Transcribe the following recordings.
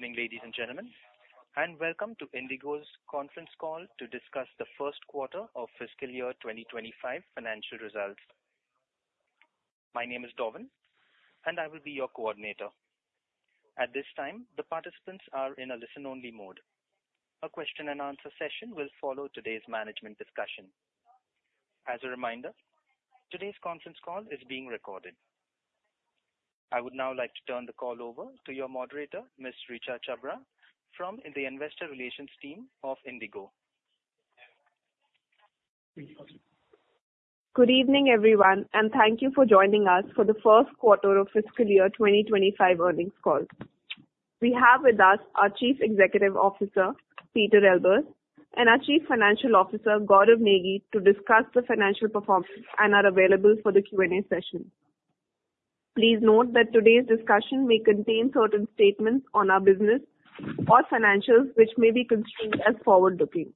Good evening, ladies and gentlemen, and welcome to IndiGo's conference call to discuss the first quarter of fiscal year 2025 financial results. My name is Darwin, and I will be your coordinator. At this time, the participants are in a listen-only mode. A question-and-answer session will follow today's management discussion. As a reminder, today's conference call is being recorded. I would now like to turn the call over to your moderator, Ms. Richa Chhabra, from the Investor Relations Team of IndiGo. Good evening, everyone, and thank you for joining us for the first quarter of fiscal year 2025 earnings call. We have with us our Chief Executive Officer, Pieter Elbers, and our Chief Financial Officer, Gaurav Negi, to discuss the financial performance and are available for the Q&A session. Please note that today's discussion may contain certain statements on our business or financials, which may be construed as forward-looking.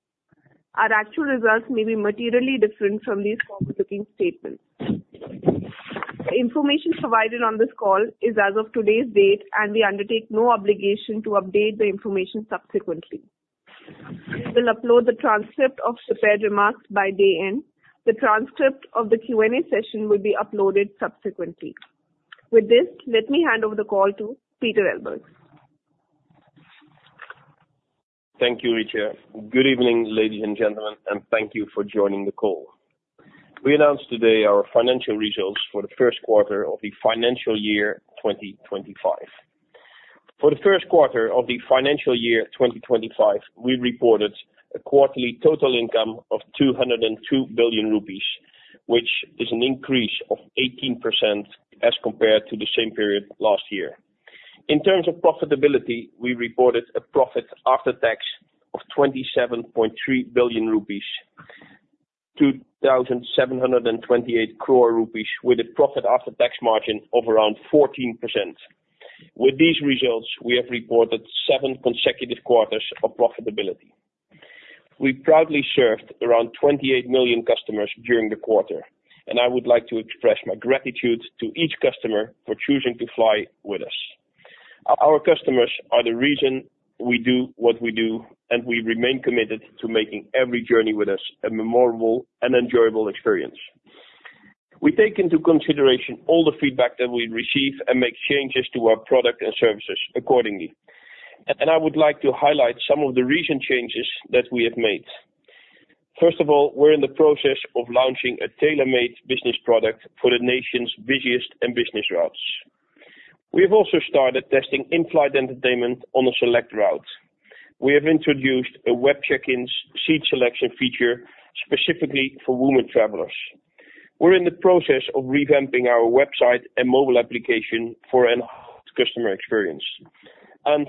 Our actual results may be materially different from these forward-looking statements. The information provided on this call is as of today's date, and we undertake no obligation to update the information subsequently. We'll upload the transcript of prepared remarks by day end. The transcript of the Q&A session will be uploaded subsequently. With this, let me hand over the call to Pieter Elbers. Thank you, Richa. Good evening, ladies and gentlemen, and thank you for joining the call. We announced today our financial results for the first quarter of the financial year 2025. For the first quarter of the financial year 2025, we reported a quarterly total income of 202 billion rupees, which is an increase of 18% as compared to the same period last year. In terms of profitability, we reported a profit after tax of 27.3 billion rupees, 2,728 crore rupees, with a profit after tax margin of around 14%. With these results, we have reported seven consecutive quarters of profitability. We proudly served around 28 million customers during the quarter, and I would like to express my gratitude to each customer for choosing to fly with us. Our customers are the reason we do what we do, and we remain committed to making every journey with us a memorable and enjoyable experience. We take into consideration all the feedback that we receive and make changes to our product and services accordingly. I would like to highlight some of the recent changes that we have made. First of all, we're in the process of launching a tailor-made business product for the nation's busiest business routes. We have also started testing in-flight entertainment on a select route. We have introduced a web check-in seat selection feature specifically for women travelers. We're in the process of revamping our website and mobile application for an enhanced customer experience.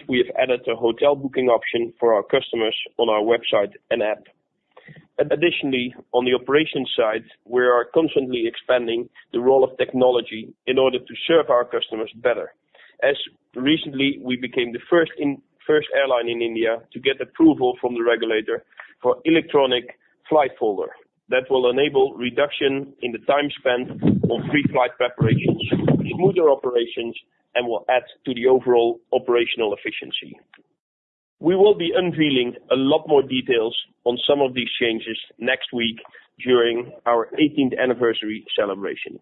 We have added a hotel booking option for our customers on our website and app. Additionally, on the operations side, we are constantly expanding the role of technology in order to serve our customers better. As recently, we became the first airline in India to get approval from the regulator for Electronic Flight Folder. That will enable reduction in the time spent on pre-flight preparations, smoother operations, and will add to the overall operational efficiency. We will be unveiling a lot more details on some of these changes next week during our 18th anniversary celebration.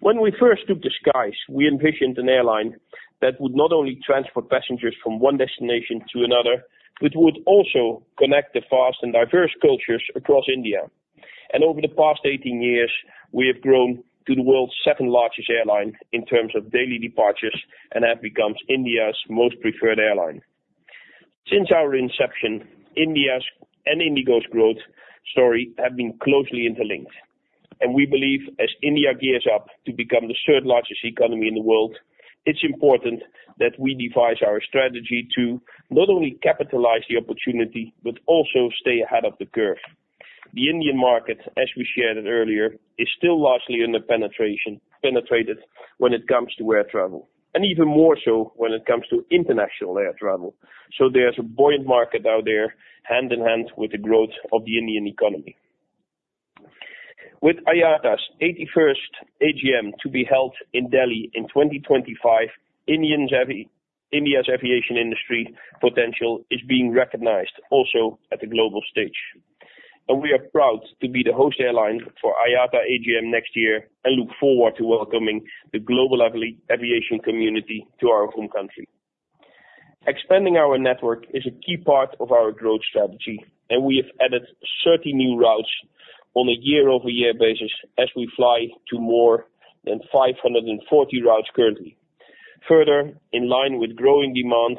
When we first took the skies, we envisioned an airline that would not only transport passengers from one destination to another, but would also connect the vast and diverse cultures across India. Over the past 18 years, we have grown to the world's second-largest airline in terms of daily departures and have become India's most preferred airline. Since our inception, India's and IndiGo's growth story have been closely interlinked. We believe as India gears up to become the third-largest economy in the world, it's important that we devise our strategy to not only capitalize the opportunity, but also stay ahead of the curve. The Indian market, as we shared earlier, is still largely under penetration when it comes to air travel, and even more so when it comes to international air travel. So there's a buoyant market out there, hand in hand with the growth of the Indian economy. With IATA's 81st AGM to be held in Delhi in 2025, India's aviation industry potential is being recognized also at the global stage. We are proud to be the host airline for IATA AGM next year and look forward to welcoming the global aviation community to our home country. Expanding our network is a key part of our growth strategy, and we have added 30 new routes on a year-over-year basis as we fly to more than 540 routes currently. Further, in line with growing demand,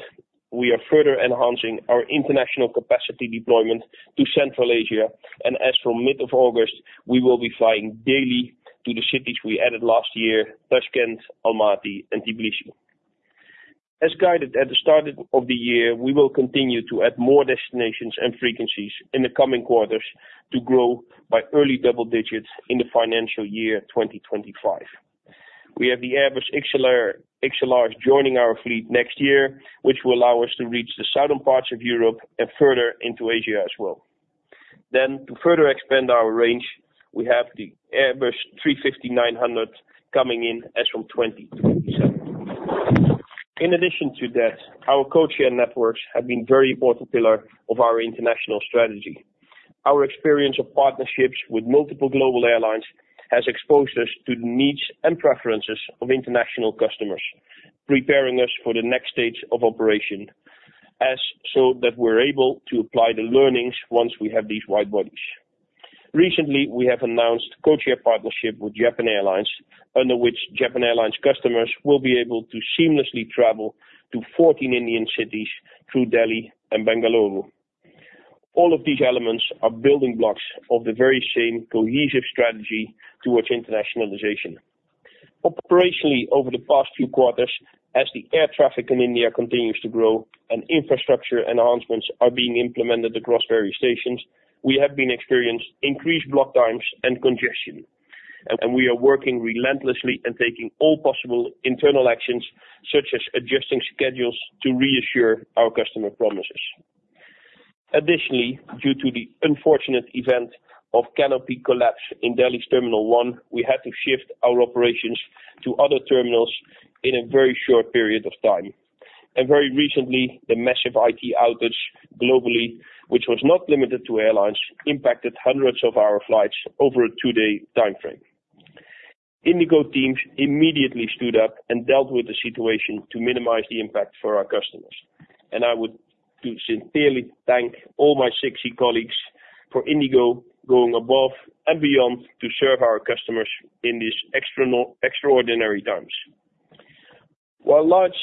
we are further enhancing our international capacity deployment to Central Asia. As from mid-August, we will be flying daily to the cities we added last year, Tashkent, Almaty, and Tbilisi. As guided at the start of the year, we will continue to add more destinations and frequencies in the coming quarters to grow by early double digits in the financial year 2025. We have the Airbus XLRs joining our fleet next year, which will allow us to reach the southern parts of Europe and further into Asia as well. Then, to further expand our range, we have the Airbus A350-900 coming in as of 2027. In addition to that, our codeshare networks have been a very important pillar of our international strategy. Our experience of partnerships with multiple global airlines has exposed us to the needs and preferences of international customers, preparing us for the next stage of operation, so that we're able to apply the learnings once we have these wide bodies. Recently, we have announced a codeshare partnership with Japan Airlines, under which Japan Airlines customers will be able to seamlessly travel to 14 Indian cities through Delhi and Bengaluru. All of these elements are building blocks of the very same cohesive strategy towards internationalization. Operationally, over the past few quarters, as the air traffic in India continues to grow and infrastructure enhancements are being implemented across various stations, we have been experiencing increased block times and congestion. We are working relentlessly and taking all possible internal actions, such as adjusting schedules to reassure our customer promises. Additionally, due to the unfortunate event of canopy collapse in Delhi's Terminal 1, we had to shift our operations to other terminals in a very short period of time. And very recently, the massive IT outage globally, which was not limited to airlines, impacted hundreds of our flights over a two-day time frame. IndiGo teams immediately stood up and dealt with the situation to minimize the impact for our customers. And I would sincerely thank all my 6E colleagues for IndiGo going above and beyond to serve our customers in these extraordinary times. While large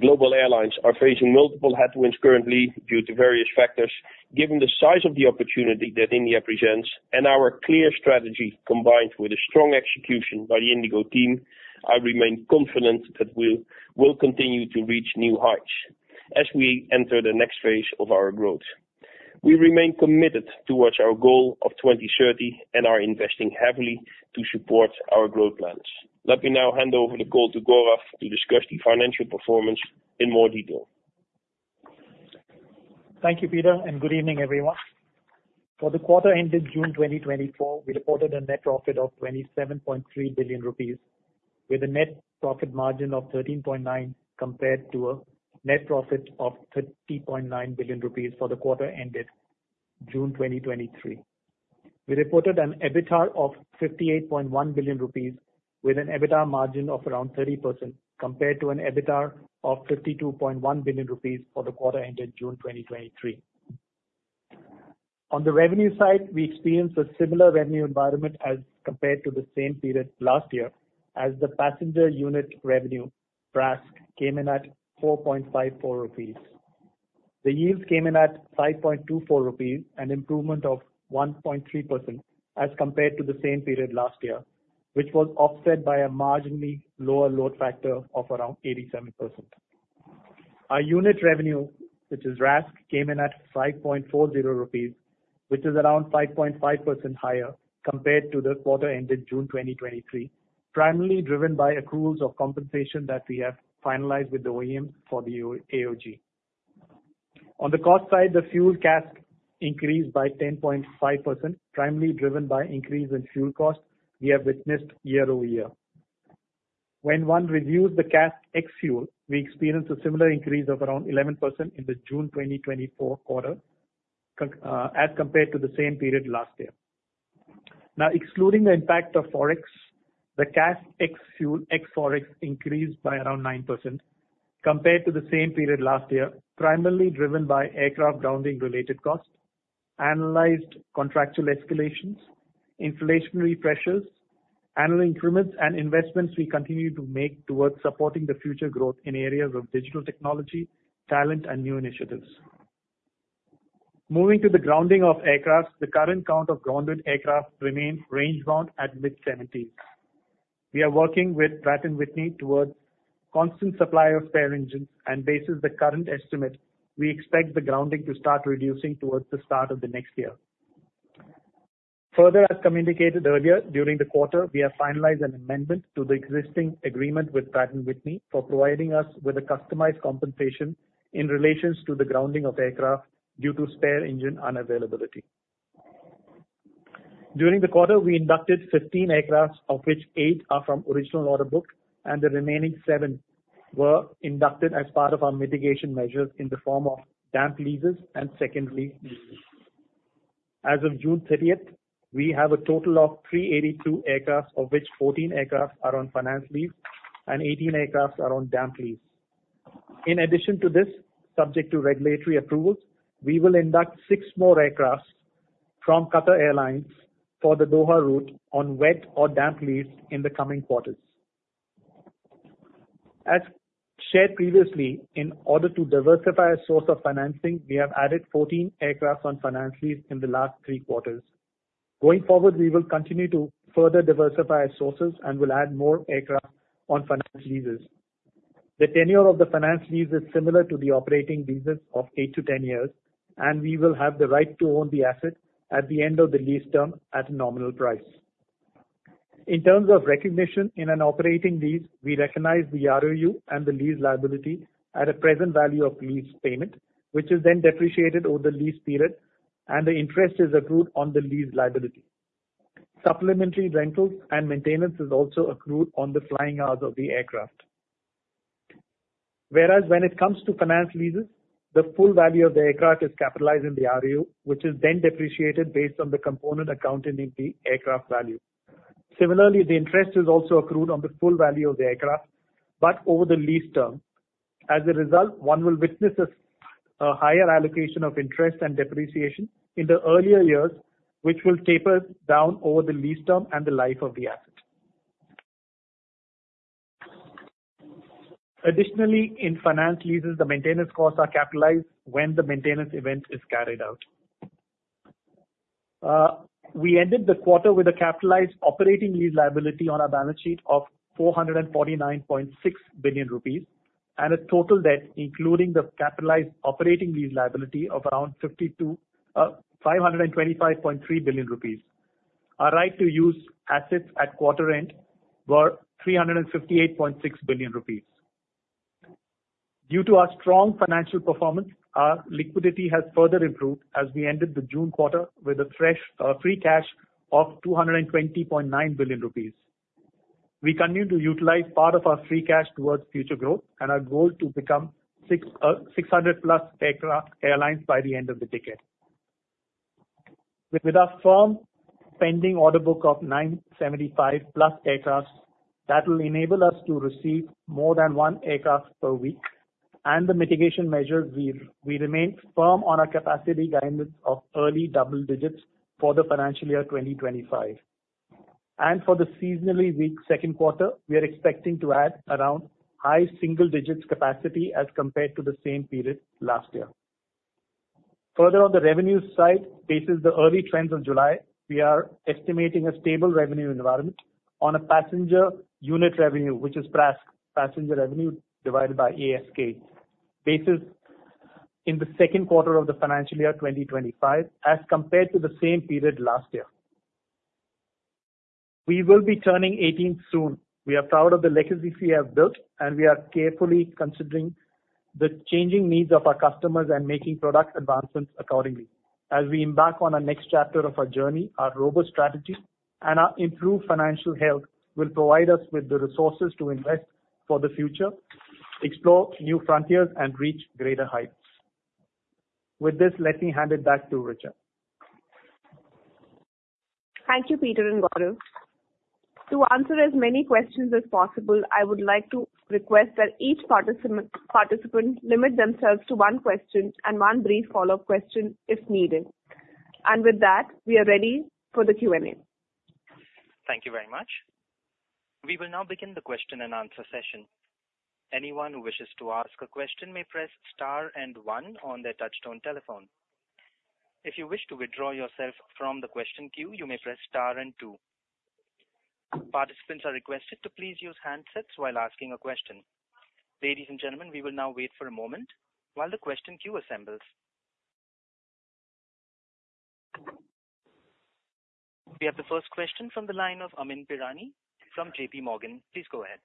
global airlines are facing multiple headwinds currently due to various factors, given the size of the opportunity that India presents and our clear strategy combined with a strong execution by the IndiGo team, I remain confident that we will continue to reach new heights as we enter the next phase of our growth. We remain committed towards our goal of 2030 and are investing heavily to support our growth plans. Let me now hand over the call to Gaurav to discuss the financial performance in more detail. Thank you, Pieter, and good evening, everyone. For the quarter ended June 2024, we reported a net profit of 27.3 billion rupees, with a net profit margin of 13.9% compared to a net profit of 30.9 billion rupees for the quarter ended June 2023. We reported an EBITDA of 58.1 billion rupees, with an EBITDA margin of around 30% compared to an EBITDA of 52.1 billion rupees for the quarter ended June 2023. On the revenue side, we experienced a similar revenue environment as compared to the same period last year, as the passenger unit revenue, PRASK, came in at 4.54 rupees. The yields came in at 5.24 rupees, an improvement of 1.3% as compared to the same period last year, which was offset by a marginally lower load factor of around 87%. Our unit revenue, which is RASK, came in at 5.40 rupees, which is around 5.5% higher compared to the quarter ended June 2023, primarily driven by accruals of compensation that we have finalized with the OEMs for the AOG. On the cost side, the fuel CASK increased by 10.5%, primarily driven by an increase in fuel costs we have witnessed year-over-year. When one reviews the CASK ex-fuel, we experienced a similar increase of around 11% in the June 2024 quarter as compared to the same period last year. Now, excluding the impact of forex, the CASK ex-fuel, ex-forex, increased by around 9% compared to the same period last year, primarily driven by aircraft grounding-related costs, analyzed contractual escalations, inflationary pressures, annual increments, and investments we continue to make towards supporting the future growth in areas of digital technology, talent, and new initiatives. Moving to the grounding of aircraft, the current count of grounded aircraft remains range-bound at mid-70s. We are working with Pratt & Whitney towards a constant supply of spare engines and based on the current estimate, we expect the grounding to start reducing towards the start of the next year. Further, as communicated earlier during the quarter, we have finalized an amendment to the existing agreement with Pratt & Whitney for providing us with a customized compensation in relation to the grounding of aircraft due to spare engine unavailability. During the quarter, we inducted 15 aircraft, of which eight are from original order book, and the remaining seven were inducted as part of our mitigation measures in the form of damp leases and secondary leases. As of June 30th, we have a total of 382 aircraft, of which 14 aircraft are on finance lease and 18 aircraft are on damp lease. In addition to this, subject to regulatory approvals, we will induct six more aircraft from Qatar Airways for the Doha route on wet or damp lease in the coming quarters. As shared previously, in order to diversify a source of financing, we have added 14 aircraft on finance lease in the last three quarters. Going forward, we will continue to further diversify sources and will add more aircraft on finance leases. The tenure of the finance lease is similar to the operating leases of 8 to 10 years, and we will have the right to own the asset at the end of the lease term at a nominal price. In terms of recognition in an operating lease, we recognize the ROU and the lease liability at a present value of lease payment, which is then depreciated over the lease period, and the interest is accrued on the lease liability. Supplementary rentals and maintenance are also accrued on the flying hours of the aircraft. Whereas when it comes to finance leases, the full value of the aircraft is capitalized in the ROU, which is then depreciated based on the component accounted in the aircraft value. Similarly, the interest is also accrued on the full value of the aircraft, but over the lease term. As a result, one will witness a higher allocation of interest and depreciation in the earlier years, which will taper down over the lease term and the life of the asset. Additionally, in finance leases, the maintenance costs are capitalized when the maintenance event is carried out. We ended the quarter with a capitalized operating lease liability on a balance sheet of 449.6 billion rupees and a total debt, including the capitalized operating lease liability of around 525.3 billion rupees. Our right-of-use assets at quarter end was 358.6 billion rupees. Due to our strong financial performance, our liquidity has further improved as we ended the June quarter with cash, free cash of 220.9 billion rupees. We continue to utilize part of our free cash towards future growth and our goal to become 600+ aircraft by the end of the decade. With our firm order book of 975+ aircraft, that will enable us to receive more than one aircraft per week. With the mitigation measures, we remain firm on our capacity guidance of early double digits for the financial year 2025. For the seasonally weak second quarter, we are expecting to add around high single-digit capacity as compared to the same period last year. Further, on the revenue side, based on the early trends of July, we are estimating a stable revenue environment on a passenger unit revenue, which is PRASK passenger revenue divided by ASK, based in the second quarter of the financial year 2025 as compared to the same period last year. We will be turning 18 soon. We are proud of the legacy we have built, and we are carefully considering the changing needs of our customers and making product advancements accordingly. As we embark on our next chapter of our journey, our robust strategy and our improved financial health will provide us with the resources to invest for the future, explore new frontiers, and reach greater heights. With this, let me hand it back to Richa. Thank you, Pieter and Gaurav. To answer as many questions as possible, I would like to request that each participant limit themselves to one question and one brief follow-up question if needed. With that, we are ready for the Q&A. Thank you very much. We will now begin the question and answer session. Anyone who wishes to ask a question may press star and one on their touch-tone telephone. If you wish to withdraw yourself from the question queue, you may press star and two. Participants are requested to please use handsets while asking a question. Ladies and gentlemen, we will now wait for a moment while the question queue assembles. We have the first question from the line of Amyn Pirani from JPMorgan. Please go ahead.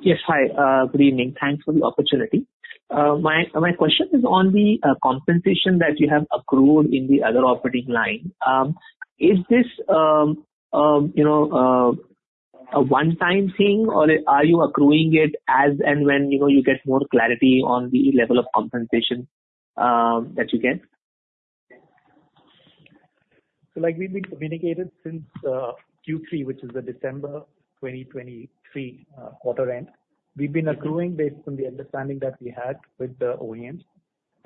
Yes, hi. Good evening. Thanks for the opportunity. My question is on the compensation that you have accrued in the other operating line. Is this a one-time thing, or are you accruing it as and when you get more clarity on the level of compensation that you get? So like we've been communicated since Q3, which is the December 2023 quarter end, we've been accruing based on the understanding that we had with the OEMs.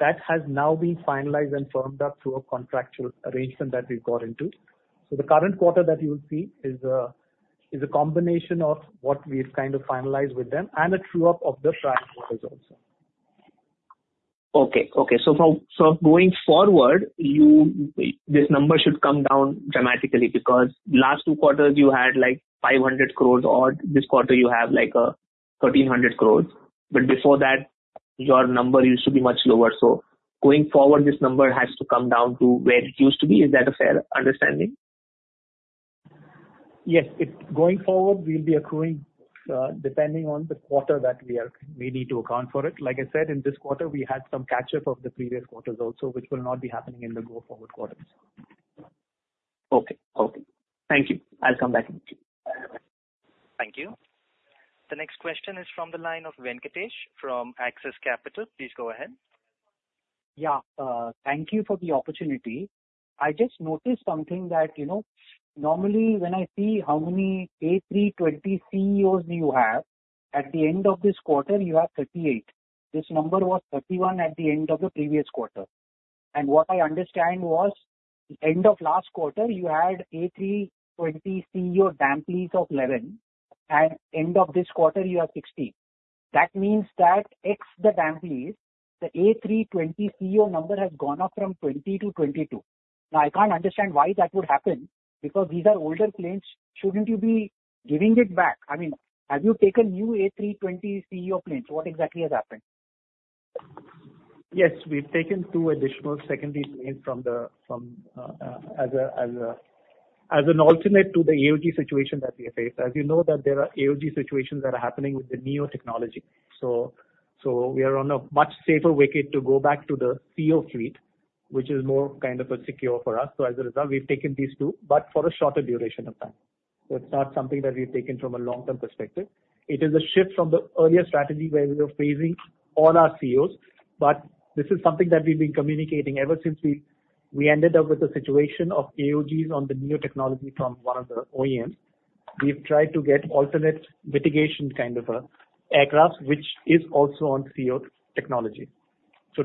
That has now been finalized and firmed up through a contractual arrangement that we've got into. So the current quarter that you will see is a combination of what we've kind of finalized with them and a true-up of the prior quarters also. Okay. Okay. So going forward, this number should come down dramatically because last two quarters you had like 500 crore odd. This quarter you have like 1,300 crore. But before that, your number used to be much lower. So going forward, this number has to come down to where it used to be. Is that a fair understanding? Yes. Going forward, we'll be accruing depending on the quarter that we need to account for it. Like I said, in this quarter, we had some catch-up of the previous quarters also, which will not be happening in the go-forward quarters. Okay. Okay. Thank you. I'll come back. Thank you. The next question is from the line of Venkatesh from Axis Capital. Please go ahead. Yeah. Thank you for the opportunity. I just noticed something that normally when I see how many A320 CEOs you have, at the end of this quarter, you have 38. This number was 31 at the end of the previous quarter. And what I understand was end of last quarter, you had A320 CEO damp lease of 11, and end of this quarter, you have 16. That means that ex the damp lease, the A320 CEO number has gone up from 20 to 22. Now, I can't understand why that would happen because these are older planes. Shouldn't you be giving it back? I mean, have you taken new A320 CEO planes? What exactly has happened? Yes. We've taken two additional secondary planes as an alternate to the AOG situation that we have faced. As you know, there are AOG situations that are happening with the new technology. So we are on a much safer wicket to go back to the CEO fleet, which is more kind of secure for us. So as a result, we've taken these two, but for a shorter duration of time. So it's not something that we've taken from a long-term perspective. It is a shift from the earlier strategy where we were phasing all our CEOs. But this is something that we've been communicating ever since we ended up with the situation of AOGs on the new technology from one of the OEMs. We've tried to get alternate mitigation kind of aircraft, which is also on CEO technology.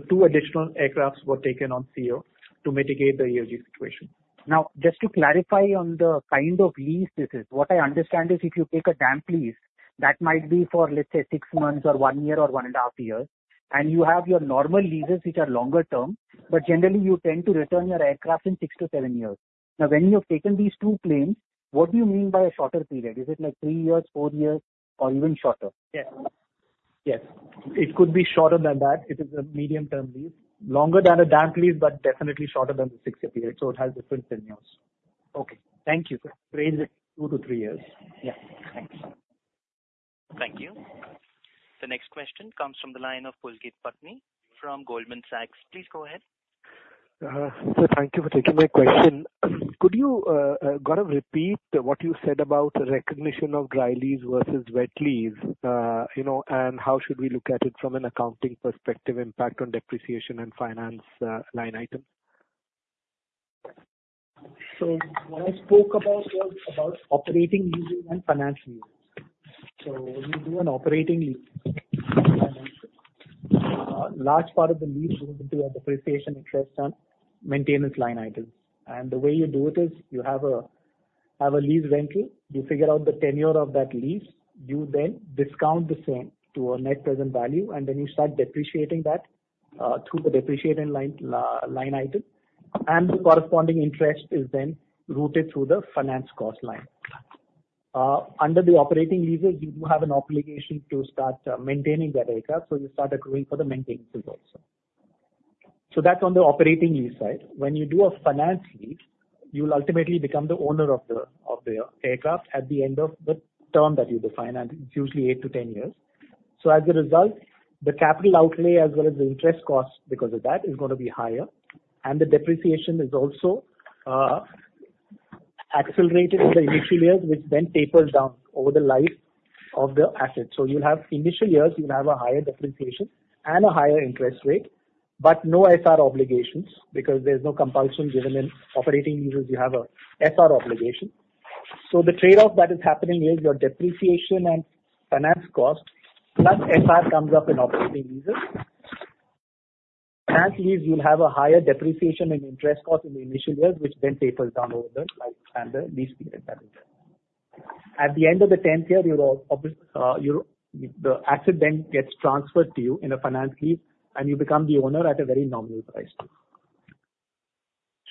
Two additional aircraft were taken on CEO to mitigate the AOG situation. Now, just to clarify on the kind of lease this is, what I understand is if you take a damp lease, that might be for, let's say, six months or one year or 1.5 years. And you have your normal leases, which are longer term, but generally, you tend to return your aircraft in six-seven years. Now, when you've taken these two planes, what do you mean by a shorter period? Is it like three years, four years, or even shorter? Yes. Yes. It could be shorter than that. It is a medium-term lease. Longer than a damp lease, but definitely shorter than the six-year period. So it has different tenures. Okay. Thank you. Two to three years. Yeah. Thanks. Thank you. The next question comes from the line of Pulkit Patni from Goldman Sachs. Please go ahead. Thank you for taking my question. Could you Gaurav repeat what you said about recognition of dry lease versus wet lease and how should we look at it from an accounting perspective impact on depreciation and finance line item? What I spoke about was about operating leases and finance leases. When you do an operating lease and finance lease, a large part of the lease goes into a depreciation interest and maintenance line items. The way you do it is you have a lease rental, you figure out the tenure of that lease, you then discount the same to a net present value, and then you start depreciating that through the depreciation line item. The corresponding interest is then routed through the finance cost line. Under the operating leases, you do have an obligation to start maintaining that aircraft, so you start accruing for the maintenance as well. That's on the operating lease side. When you do a finance lease, you'll ultimately become the owner of the aircraft at the end of the term that you define, and it's usually 8-10 years. So as a result, the capital outlay as well as the interest cost because of that is going to be higher. And the depreciation is also accelerated in the initial years, which then tapers down over the life of the asset. So you'll have initial years, you'll have a higher depreciation and a higher interest rate, but no SR obligations because there's no compulsion given in operating leases. You have an SR obligation. So the trade-off that is happening is your depreciation and finance cost plus SR comes up in operating leases. Finance lease, you'll have a higher depreciation and interest cost in the initial years, which then tapers down over the life and the lease period that is there. At the end of the 10th year, the asset then gets transferred to you in a finance lease, and you become the owner at a very nominal price.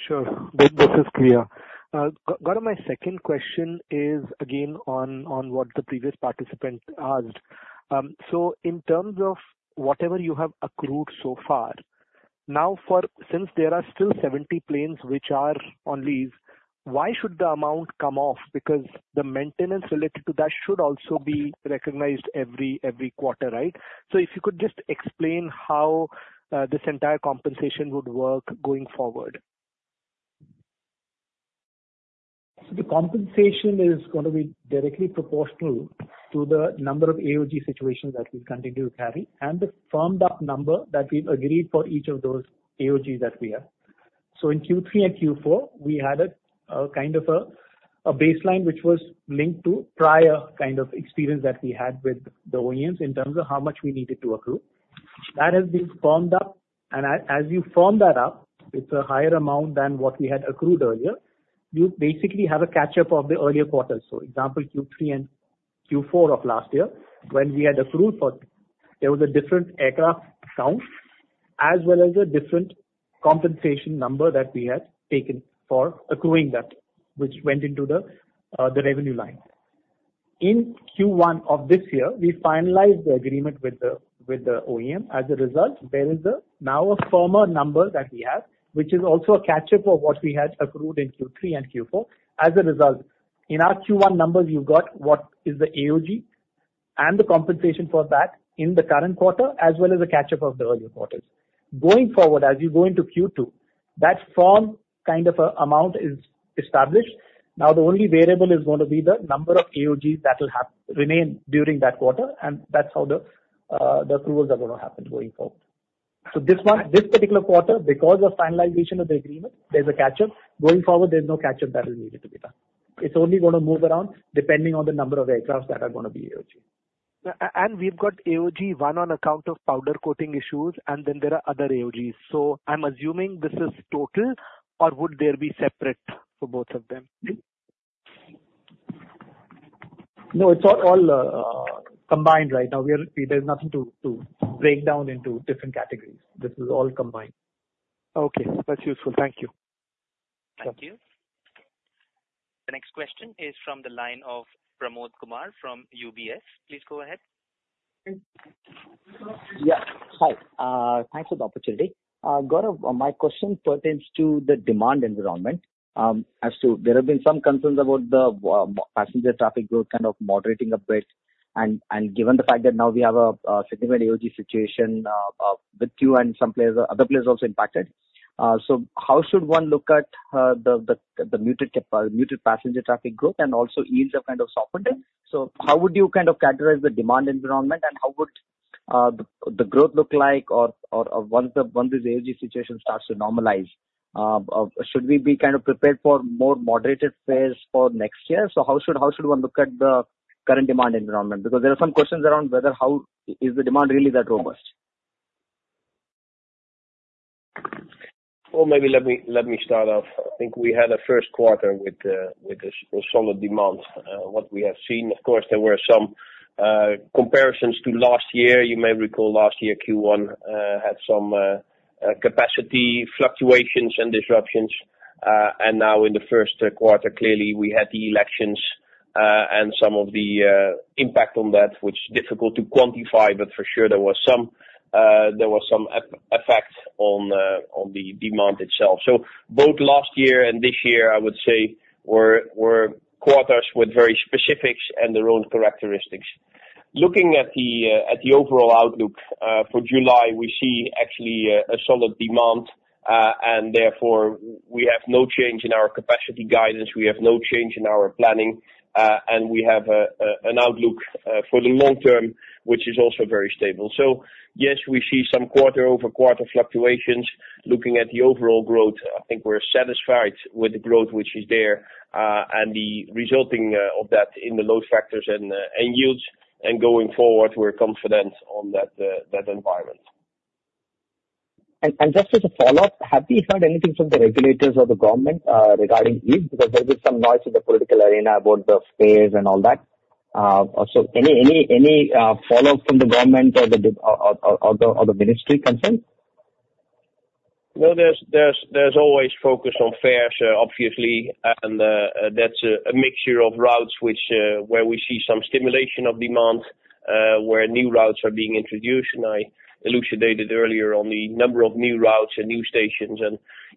Sure. This is clear. Got to my second question, is again on what the previous participant asked. So in terms of whatever you have accrued so far, now since there are still 70 planes which are on lease, why should the amount come off? Because the maintenance related to that should also be recognized every quarter, right? So if you could just explain how this entire compensation would work going forward. So the compensation is going to be directly proportional to the number of AOG situations that we've continued to carry and the firmed-up number that we've agreed for each of those AOGs that we have. So in Q3 and Q4, we had a kind of a baseline which was linked to prior kind of experience that we had with the OEMs in terms of how much we needed to accrue. That has been firmed up. And as you firm that up, it's a higher amount than what we had accrued earlier. You basically have a catch-up of the earlier quarters. So example, Q3 and Q4 of last year, when we had accrued for, there was a different aircraft count as well as a different compensation number that we had taken for accruing that, which went into the revenue line. In Q1 of this year, we finalized the agreement with the OEM. As a result, there is now a firmer number that we have, which is also a catch-up of what we had accrued in Q3 and Q4. As a result, in our Q1 numbers, you've got what is the AOG and the compensation for that in the current quarter as well as a catch-up of the earlier quarters. Going forward, as you go into Q2, that firm kind of amount is established. Now, the only variable is going to be the number of AOGs that will remain during that quarter, and that's how the accruals are going to happen going forward. So this particular quarter, because of finalization of the agreement, there's a catch-up. Going forward, there's no catch-up that is needed to be done. It's only going to move around depending on the number of aircraft that are going to be AOG. We've got AOG one on account of powder coating issues, and then there are other AOGs. I'm assuming this is total, or would there be separate for both of them? No, it's all combined right now. There's nothing to break down into different categories. This is all combined. Okay. That's useful. Thank you. Thank you. The next question is from the line of Pramod Kumar from UBS. Please go ahead. Yeah. Hi. Thanks for the opportunity. My question pertains to the demand environment. There have been some concerns about the passenger traffic growth kind of moderating a bit. And given the fact that now we have a significant AOG situation with Go and some other players also impacted, so how should one look at the muted passenger traffic growth and also yields have kind of softened? So how would you kind of categorize the demand environment, and how would the growth look like once this AOG situation starts to normalize? Should we be kind of prepared for more moderated fares for next year? So how should one look at the current demand environment? Because there are some questions around whether how is the demand really that robust? Well, maybe let me start off. I think we had a first quarter with solid demands, what we have seen. Of course, there were some comparisons to last year. You may recall last year, Q1 had some capacity fluctuations and disruptions. And now in the first quarter, clearly, we had the elections and some of the impact on that, which is difficult to quantify, but for sure there was some effect on the demand itself. So both last year and this year, I would say, were quarters with very specifics and their own characteristics. Looking at the overall outlook for July, we see actually a solid demand, and therefore, we have no change in our capacity guidance. We have no change in our planning, and we have an outlook for the long term, which is also very stable. So yes, we see some quarter-over-quarter fluctuations. Looking at the overall growth, I think we're satisfied with the growth, which is there, and the resulting of that in the load factors and yields. Going forward, we're confident on that environment. Just as a follow-up, have we heard anything from the regulators or the government regarding yields? Because there's been some noise in the political arena about the fares and all that. Any follow-up from the government or the ministry concerned? Well, there's always focus on fares, obviously, and that's a mixture of routes where we see some stimulation of demand, where new routes are being introduced. I elucidated earlier on the number of new routes and new stations.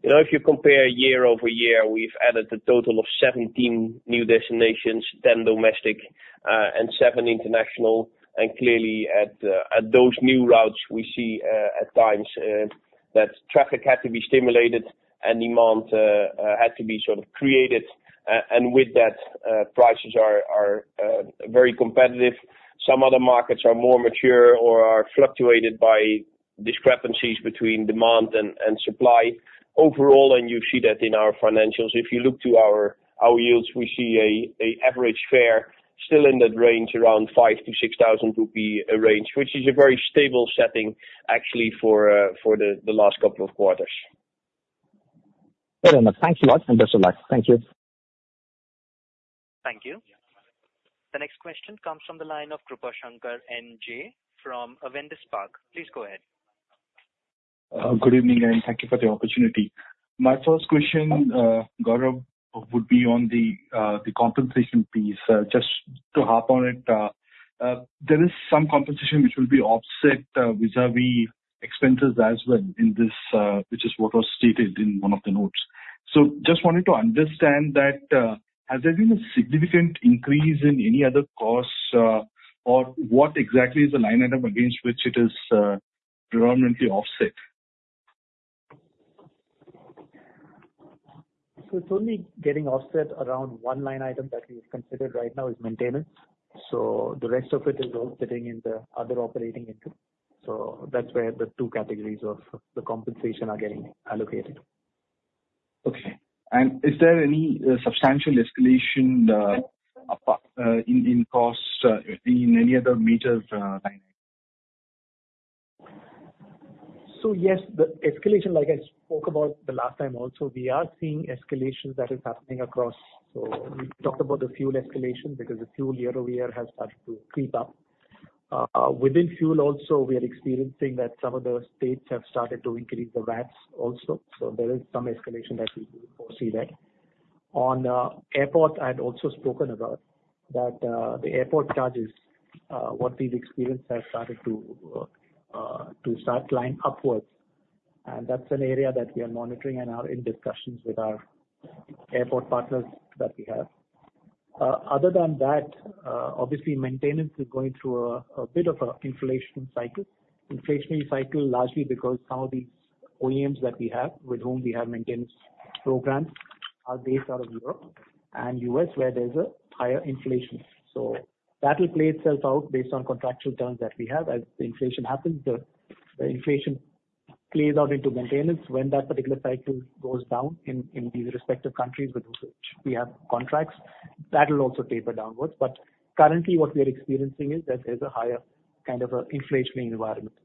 If you compare year-over-year, we've added a total of 17 new destinations, 10 domestic and seven international. Clearly, at those new routes, we see at times that traffic had to be stimulated and demand had to be sort of created. With that, prices are very competitive. Some other markets are more mature or are fluctuated by discrepancies between demand and supply overall, and you see that in our financials. If you look to our yields, we see an average fare still in that range, around 5,000-6,000 rupee range, which is a very stable setting actually for the last couple of quarters. Very much. Thank you very much. Thank you. Thank you. The next question comes from the line of Krupashankar NJ from Avendus Spark. Please go ahead. Good evening, and thank you for the opportunity. My first question, Gaurav, would be on the compensation piece. Just to hop on it, there is some compensation which will be offset vis-à-vis expenses as well in this, which is what was stated in one of the notes. So just wanted to understand that, has there been a significant increase in any other costs, or what exactly is the line item against which it is predominantly offset? So it's only getting offset around one line item that we've considered right now, which is maintenance. So the rest of it is offsetting in the other operating income. So that's where the two categories of the compensation are getting allocated. Okay. Is there any substantial escalation in cost in any other major line item? So yes, the escalation, like I spoke about the last time also, we are seeing escalations that are happening across. So we talked about the fuel escalation because the fuel year-over-year has started to creep up. Within fuel also, we are experiencing that some of the states have started to increase the VATs also. So there is some escalation that we foresee there. On airport, I'd also spoken about that the airport charges, what we've experienced, have started to start climbing upwards. And that's an area that we are monitoring and are in discussions with our airport partners that we have. Other than that, obviously, maintenance is going through a bit of an inflation cycle. Inflationary cycle, largely because some of these OEMs that we have, with whom we have maintenance programs, are based out of Europe and the U.S., where there's a higher inflation. So that will play itself out based on contractual terms that we have. As the inflation happens, the inflation plays out into maintenance. When that particular cycle goes down in these respective countries with which we have contracts, that will also taper downwards. But currently, what we are experiencing is that there's a higher kind of an inflationary environment.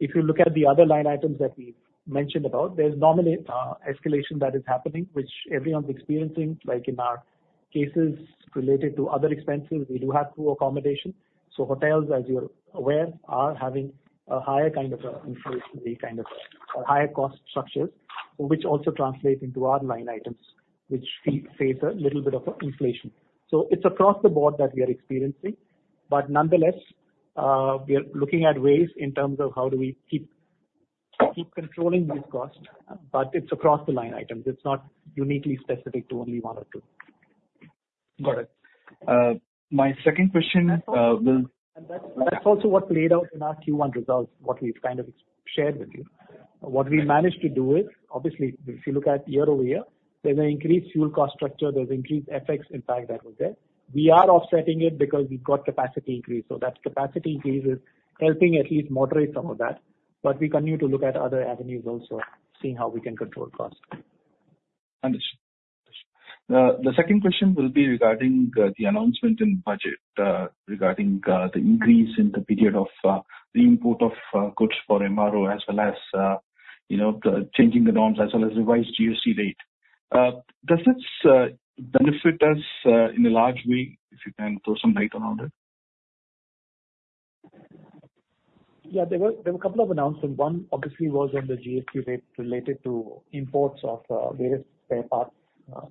If you look at the other line items that we've mentioned about, there's normally escalation that is happening, which everyone's experiencing. Like in our cases related to other expenses, we do have crew accommodation. So hotels, as you're aware, are having a higher kind of an inflationary kind of higher cost structures, which also translates into our line items, which face a little bit of inflation. So it's across the board that we are experiencing. But nonetheless, we're looking at ways in terms of how do we keep controlling these costs. But it's across the line items. It's not uniquely specific to only one or two. Got it. My second question will. That's also what played out in our Q1 results, what we've kind of shared with you. What we managed to do is, obviously, if you look at year-over-year, there's an increased fuel cost structure. There's an increased FX impact that was there. We are offsetting it because we've got capacity increase. So that capacity increase is helping at least moderate some of that. But we continue to look at other avenues also, seeing how we can control costs. Understood. The second question will be regarding the announcement in budget regarding the increase in the period of re-import of goods for MRO, as well as changing the norms, as well as revised IGCR rate. Does this benefit us in a large way? If you can throw some light around it. Yeah. There were a couple of announcements. One, obviously, was on the IGCR rate related to imports of various spare parts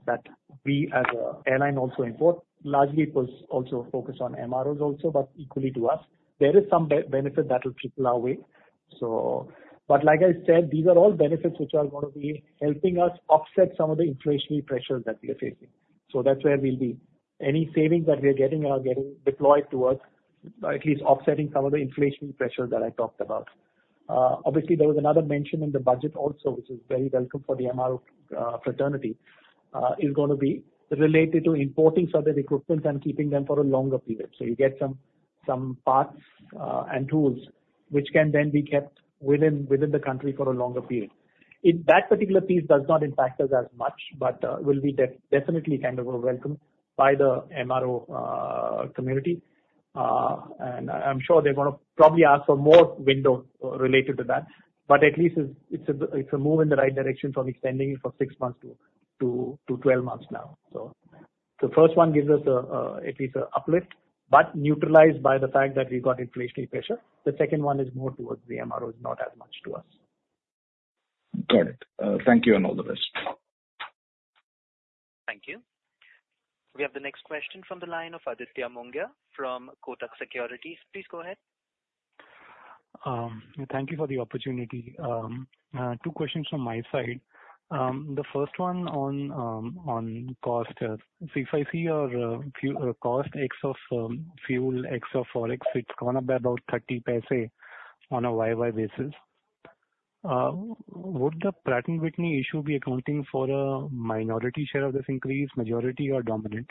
that we, as an airline, also import. Largely, it was also focused on MROs also, but equally to us. There is some benefit that will trickle our way. But like I said, these are all benefits which are going to be helping us offset some of the inflationary pressures that we are facing. So that's where we'll be. Any savings that we are getting are getting deployed towards at least offsetting some of the inflationary pressures that I talked about. Obviously, there was another mention in the budget also, which is very welcome for the MRO fraternity, is going to be related to importing further equipment and keeping them for a longer period. So you get some parts and tools which can then be kept within the country for a longer period. That particular piece does not impact us as much, but will be definitely kind of welcomed by the MRO community. And I'm sure they're going to probably ask for more window related to that. But at least it's a move in the right direction from extending it for six months to 12 months now. So the first one gives us at least an uplift, but neutralized by the fact that we've got inflationary pressure. The second one is more towards the MROs, not as much to us. Got it. Thank you and all the best. Thank you. We have the next question from the line of Aditya Mongia from Kotak Securities. Please go ahead. Thank you for the opportunity. Two questions from my side. The first one on cost. So if I see our CASK ex-fuel ex-forex, it's gone up by about 0.30 on a YoY basis. Would the Pratt & Whitney issue be accounting for a minority share of this increase, majority or dominant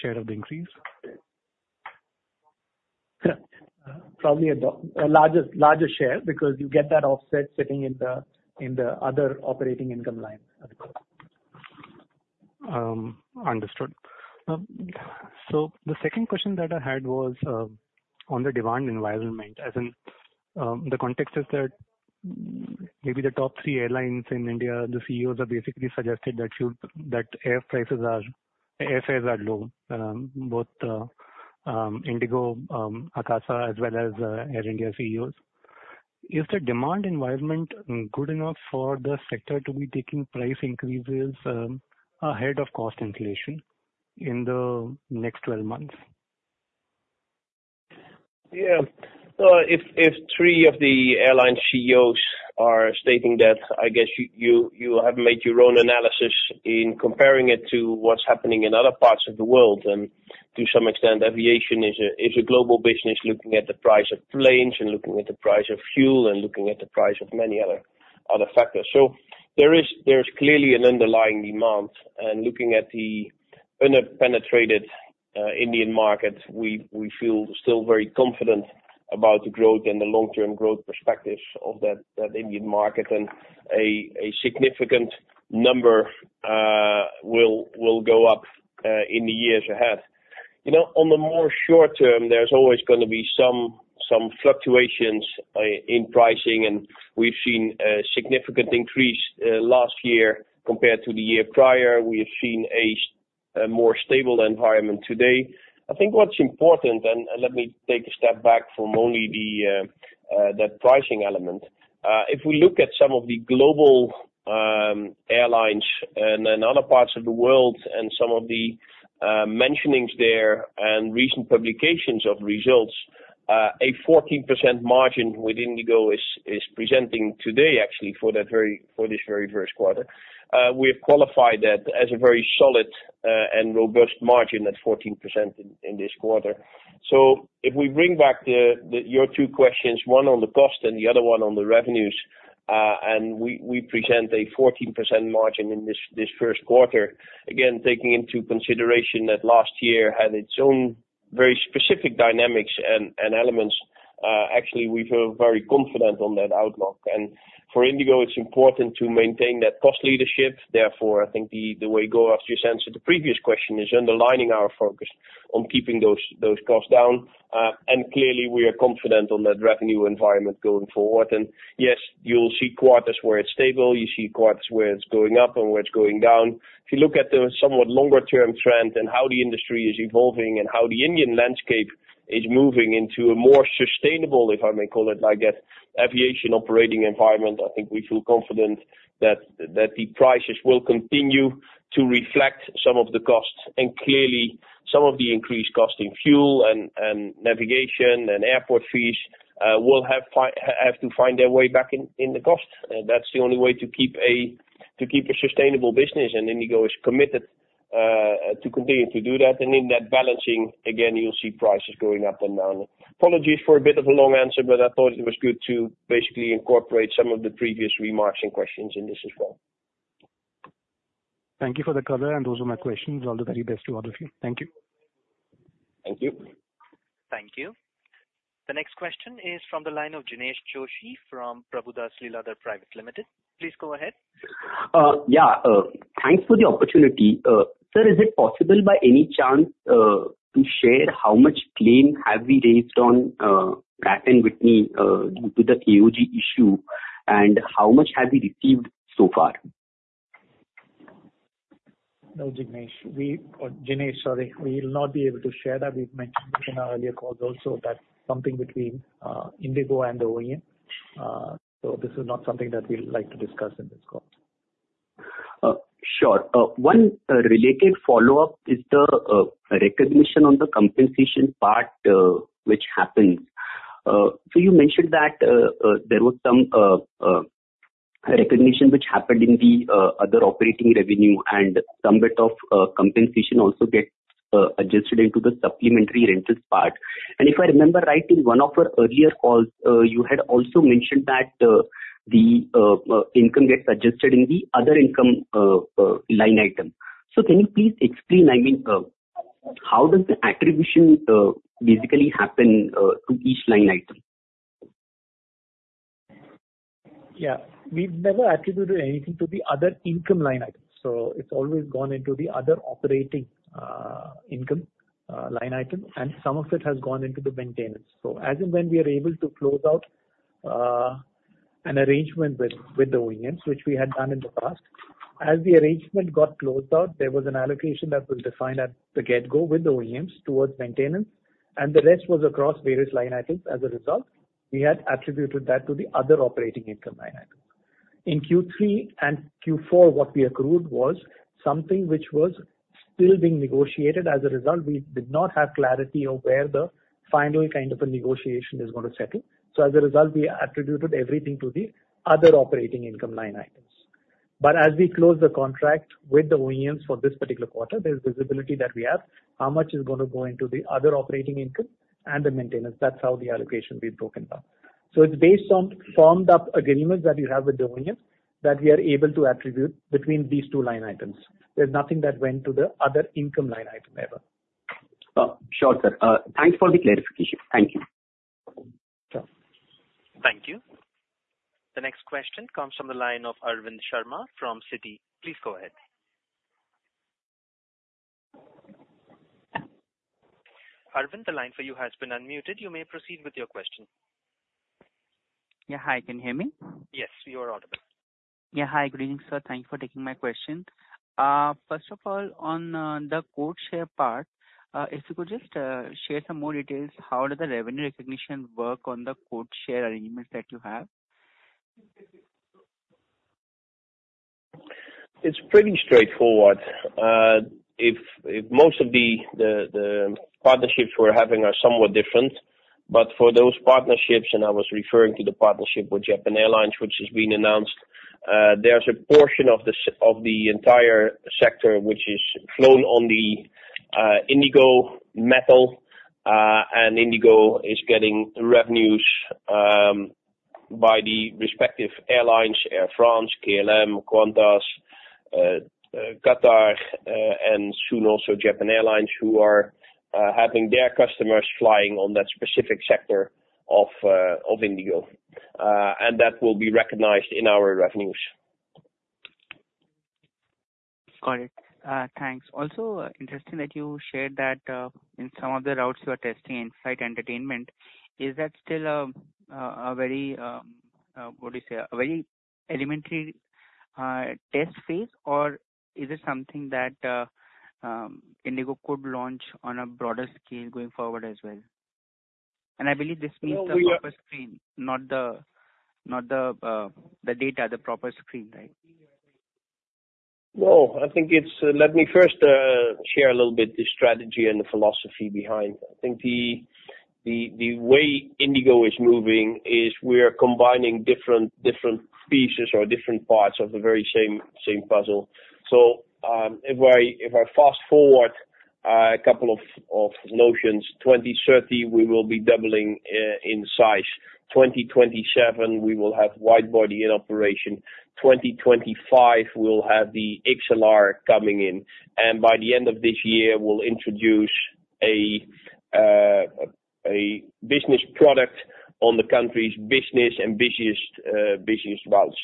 share of the increase? Probably a larger share because you get that offset sitting in the other operating income line. Understood. So the second question that I had was on the demand environment. The context is that maybe the top three airlines in India, the CEOs have basically suggested that airfares are low, both IndiGo, Akasa Air, as well as Air India CEOs. Is the demand environment good enough for the sector to be taking price increases ahead of cost inflation in the next 12 months? Yeah. If three of the airline CEOs are stating that, I guess you have made your own analysis in comparing it to what's happening in other parts of the world. And to some extent, aviation is a global business looking at the price of planes and looking at the price of fuel and looking at the price of many other factors. So there is clearly an underlying demand. And looking at the under-penetrated Indian market, we feel still very confident about the growth and the long-term growth perspectives of that Indian market. And a significant number will go up in the years ahead. On the more short term, there's always going to be some fluctuations in pricing. And we've seen a significant increase last year compared to the year prior. We have seen a more stable environment today. I think what's important, and let me take a step back from only that pricing element, if we look at some of the global airlines and other parts of the world and some of the mentionings there and recent publications of results, a 14% margin with IndiGo is presenting today, actually, for this very first quarter. We have qualified that as a very solid and robust margin at 14% in this quarter. So if we bring back your two questions, one on the cost and the other one on the revenues, and we present a 14% margin in this first quarter, again, taking into consideration that last year had its own very specific dynamics and elements, actually, we feel very confident on that outlook. And for IndiGo, it's important to maintain that cost leadership. Therefore, I think the way Gaurav just answered the previous question is underlining our focus on keeping those costs down. Clearly, we are confident on that revenue environment going forward. Yes, you'll see quarters where it's stable. You see quarters where it's going up and where it's going down. If you look at the somewhat longer-term trend and how the industry is evolving and how the Indian landscape is moving into a more sustainable, if I may call it like that, aviation operating environment, I think we feel confident that the prices will continue to reflect some of the costs. Clearly, some of the increased cost in fuel and navigation and airport fees will have to find their way back in the cost. That's the only way to keep a sustainable business. IndiGo is committed to continue to do that. In that balancing, again, you'll see prices going up and down. Apologies for a bit of a long answer, but I thought it was good to basically incorporate some of the previous remarks and questions in this as well. Thank you for the cover and those are my questions. All the very best to all of you. Thank you. Thank you. Thank you. The next question is from the line of Jinesh Joshi from Prabhudas Lilladher. Please go ahead. Yeah. Thanks for the opportunity. Sir, is it possible, by any chance, to share how much claim have we raised on Pratt & Whitney due to the AOG issue? And how much have we received so far? No, Jinesh, we will not be able to share that. We've mentioned in our earlier calls also that something between IndiGo and the OEM. So this is not something that we'd like to discuss in this call. Sure. One related follow-up is the recognition on the compensation part which happens. So you mentioned that there was some recognition which happened in the other operating revenue, and some bit of compensation also gets adjusted into the supplementary rentals part. And if I remember right, in one of our earlier calls, you had also mentioned that the income gets adjusted in the other income line item. So can you please explain, I mean, how does the attribution basically happen to each line item? Yeah. We've never attributed anything to the other income line item. It's always gone into the other operating income line item. Some of it has gone into the maintenance. As and when we are able to close out an arrangement with the OEMs, which we had done in the past, as the arrangement got closed out, there was an allocation that was defined at the get-go with the OEMs towards maintenance. The rest was across various line items. As a result, we had attributed that to the other operating income line item. In Q3 and Q4, what we accrued was something which was still being negotiated. As a result, we did not have clarity on where the final kind of a negotiation is going to settle. As a result, we attributed everything to the other operating income line items. As we close the contract with the OEMs for this particular quarter, there's visibility that we have how much is going to go into the other operating income and the maintenance. That's how the allocation we've broken down. It's based on formed-up agreements that you have with the OEMs that we are able to attribute between these two line items. There's nothing that went to the other income line item ever. Sure, sir. Thanks for the clarification. Thank you. Thank you. The next question comes from the line of Arvind Sharma from Citi. Please go ahead. Arvind, the line for you has been unmuted. You may proceed with your question. Yeah. Hi. Can you hear me? Yes. You are audible. Yeah. Hi. Good evening, sir. Thank you for taking my question. First of all, on the codeshare part, if you could just share some more details, how does the revenue recognition work on the codeshare arrangements that you have? It's pretty straightforward. Most of the partnerships we're having are somewhat different. But for those partnerships, and I was referring to the partnership with Japan Airlines, which has been announced, there's a portion of the entire sector which is flown on the IndiGo metal. And IndiGo is getting revenues by the respective airlines: Air France, KLM, Qantas, Qatar, and soon also Japan Airlines, who are having their customers flying on that specific sector of IndiGo. And that will be recognized in our revenues. Got it. Thanks. Also interesting that you shared that in some of the routes you are testing inside entertainment, is that still a very, what do you say, a very elementary test phase? Or is it something that IndiGo could launch on a broader scale going forward as well? And I believe this means the proper screen, not the data, the proper screen, right? Well, I think it's let me first share a little bit the strategy and the philosophy behind. I think the way IndiGo is moving is we are combining different pieces or different parts of the very same puzzle. So if I fast forward a couple of notions, 2030, we will be doubling in size. 2027, we will have widebody in operation. 2025, we'll have the XLR coming in. And by the end of this year, we'll introduce a business product on the country's busiest routes.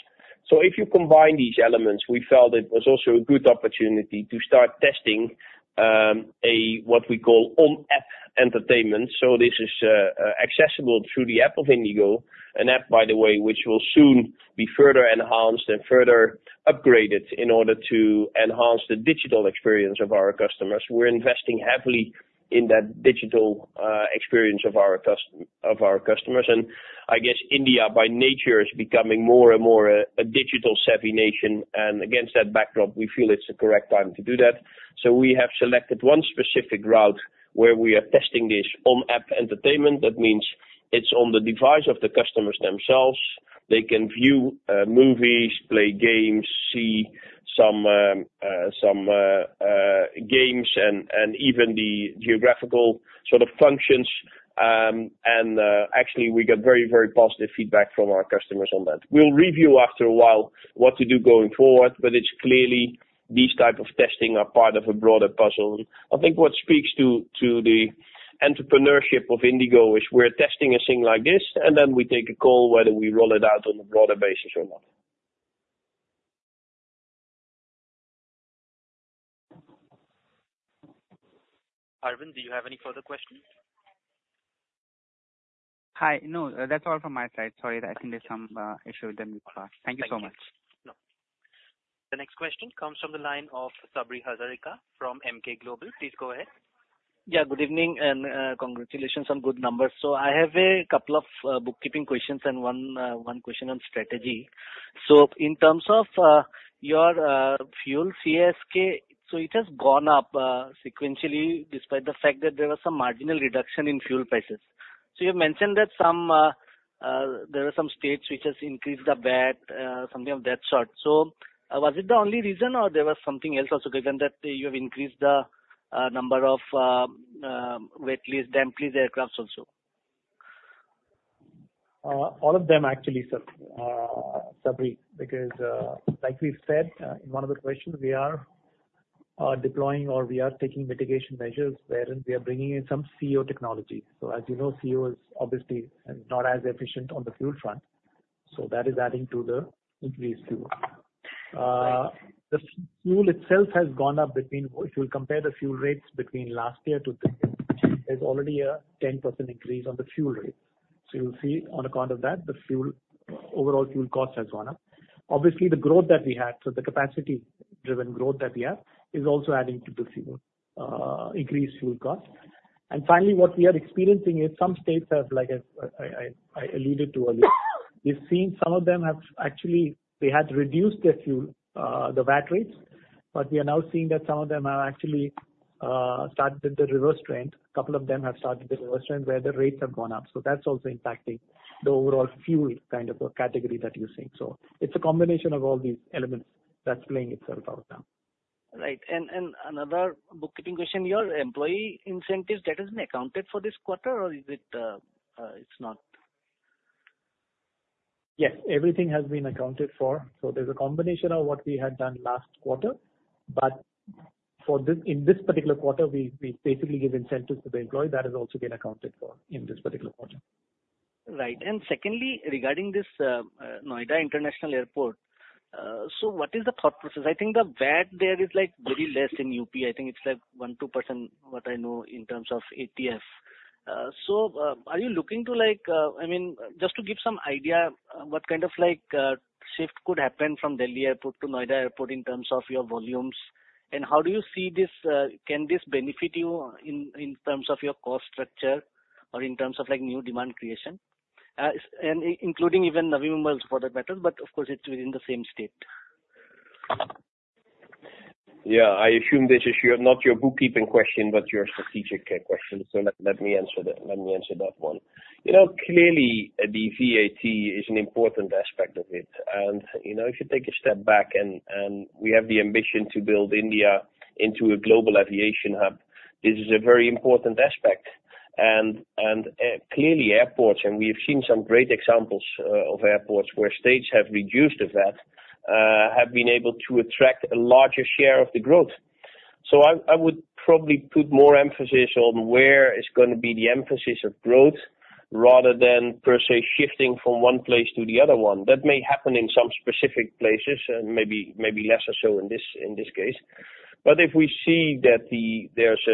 So if you combine these elements, we felt it was also a good opportunity to start testing what we call on-app entertainment. So this is accessible through the app of IndiGo, an app, by the way, which will soon be further enhanced and further upgraded in order to enhance the digital experience of our customers. We're investing heavily in that digital experience of our customers. I guess India, by nature, is becoming more and more a digital-savvy nation. Against that backdrop, we feel it's the correct time to do that. We have selected one specific route where we are testing this on-app entertainment. That means it's on the device of the customers themselves. They can view movies, play games, see some games, and even the geographical sort of functions. Actually, we got very, very positive feedback from our customers on that. We'll review after a while what to do going forward. It's clearly these types of testing are part of a broader puzzle. I think what speaks to the entrepreneurship of IndiGo is we're testing a thing like this, and then we take a call whether we roll it out on a broader basis or not. Arvind, do you have any further questions? Hi. No, that's all from my side. Sorry. I think there's some issue with the mic. Thank you so much. The next question comes from the line of Sabri Hazarika from Emkay Global. Please go ahead. Yeah. Good evening and congratulations on good numbers. So I have a couple of bookkeeping questions and one question on strategy. So in terms of your fuel CASK, so it has gone up sequentially despite the fact that there was some marginal reduction in fuel prices. So you have mentioned that there were some states which have increased a bit, something of that sort. So was it the only reason, or there was something else also given that you have increased the number of wet leases, damp leases aircraft also? All of them, actually, sir, Sabri, because like we've said, in one of the questions, we are deploying or we are taking mitigation measures wherein we are bringing in some CEO technology. So as you know, CEO is obviously not as efficient on the fuel front. So that is adding to the increased fuel. The fuel itself has gone up. If you compare the fuel rates between last year to this year, there's already a 10% increase on the fuel rates. So you'll see on account of that, the overall fuel cost has gone up. Obviously, the growth that we had, so the capacity-driven growth that we have, is also adding to the increased fuel cost. And finally, what we are experiencing is some states have, like I alluded to earlier, we've seen some of them have actually reduced their fuel, the VAT rates. But we are now seeing that some of them have actually started the reverse trend. A couple of them have started the reverse trend where the rates have gone up. So that's also impacting the overall fuel kind of category that you're seeing. So it's a combination of all these elements that's playing itself out now. Right. And another bookkeeping question. Your employee incentives, that has been accounted for this quarter, or it's not? Yes. Everything has been accounted for. So there's a combination of what we had done last quarter. But in this particular quarter, we basically give incentives to the employee. That has also been accounted for in this particular quarter. Right. And secondly, regarding this Noida International Airport, so what is the thought process? I think the VAT there is very less in UP. I think it's like 1%-2%, what I know, in terms of ATF. So are you looking to, I mean, just to give some idea what kind of shift could happen from Delhi Airport to Noida Airport in terms of your volumes? And how do you see this? Can this benefit you in terms of your cost structure or in terms of new demand creation, including even Navi Mumbai for that matter? But of course, it's within the same state. Yeah. I assume this is not your bookkeeping question, but your strategic question. So let me answer that one. Clearly, the VAT is an important aspect of it. And if you take a step back and we have the ambition to build India into a global aviation hub, this is a very important aspect. And clearly, airports, and we have seen some great examples of airports where states have reduced the VAT, have been able to attract a larger share of the growth. So I would probably put more emphasis on where is going to be the emphasis of growth rather than per se shifting from one place to the other one. That may happen in some specific places and maybe less so in this case. But if we see that there's,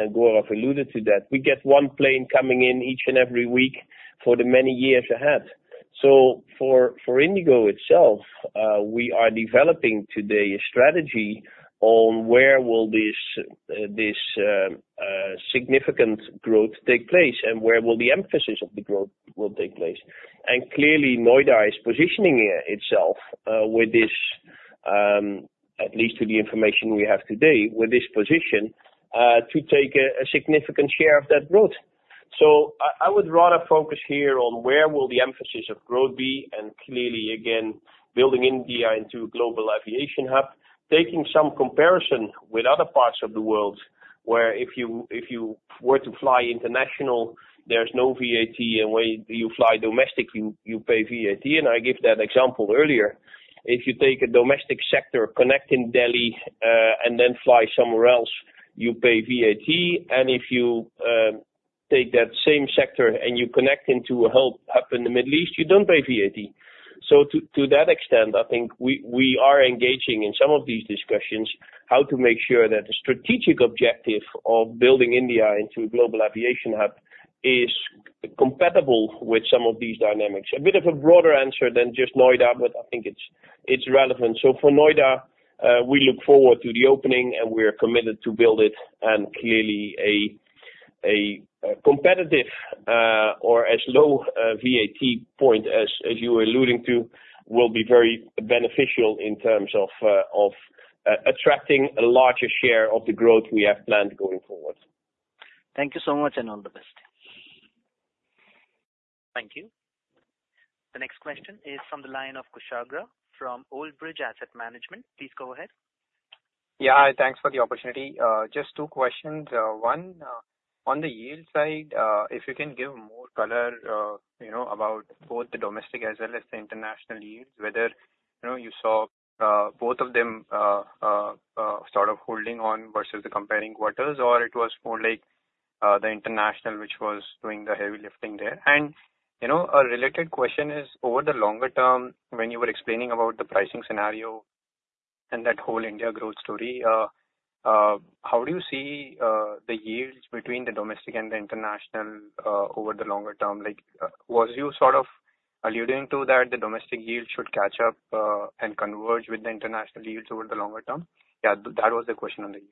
and Gaurav alluded to that, we get one plane coming in each and every week for the many years ahead. So for IndiGo itself, we are developing today a strategy on where will this significant growth take place and where will the emphasis of the growth take place. Clearly, Noida is positioning itself with this, at least to the information we have today, with this position to take a significant share of that growth. I would rather focus here on where will the emphasis of growth be and clearly, again, building India into a global aviation hub, taking some comparison with other parts of the world where if you were to fly international, there's no VAT. When you fly domestic, you pay VAT. I gave that example earlier. If you take a domestic sector connecting Delhi and then fly somewhere else, you pay VAT. If you take that same sector and you connect into a hub in the Middle East, you don't pay VAT. So to that extent, I think we are engaging in some of these discussions how to make sure that the strategic objective of building India into a global aviation hub is compatible with some of these dynamics. A bit of a broader answer than just Noida, but I think it's relevant. So for Noida, we look forward to the opening, and we're committed to build it. And clearly, a competitive or as low VAT point as you were alluding to will be very beneficial in terms of attracting a larger share of the growth we have planned going forward. Thank you so much and all the best. Thank you. The next question is from the line of Kushagra from Old Bridge Asset Management. Please go ahead. Yeah. Hi. Thanks for the opportunity. Just two questions. One, on the yield side, if you can give more color about both the domestic as well as the international yields, whether you saw both of them sort of holding on versus the comparing quarters, or it was more like the international which was doing the heavy lifting there. And a related question is, over the longer term, when you were explaining about the pricing scenario and that whole India growth story, how do you see the yields between the domestic and the international over the longer term? Was you sort of alluding to that the domestic yield should catch up and converge with the international yields over the longer term? Yeah. That was the question on the yield.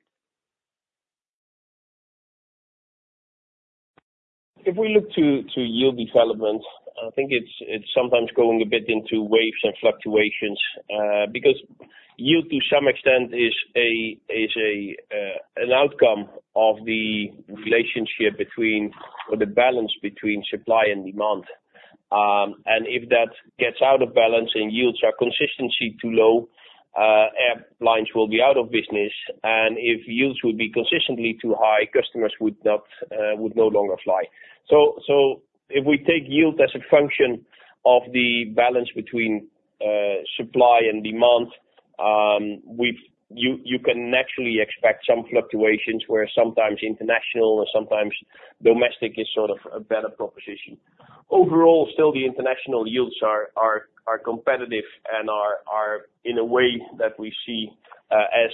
If we look to yield development, I think it's sometimes going a bit into waves and fluctuations because yield, to some extent, is an outcome of the relationship between or the balance between supply and demand. If that gets out of balance and yields are consistently too low, airlines will be out of business. And if yields would be consistently too high, customers would no longer fly. So if we take yield as a function of the balance between supply and demand, you can actually expect some fluctuations where sometimes international and sometimes domestic is sort of a better proposition. Overall, still, the international yields are competitive and are in a way that we see as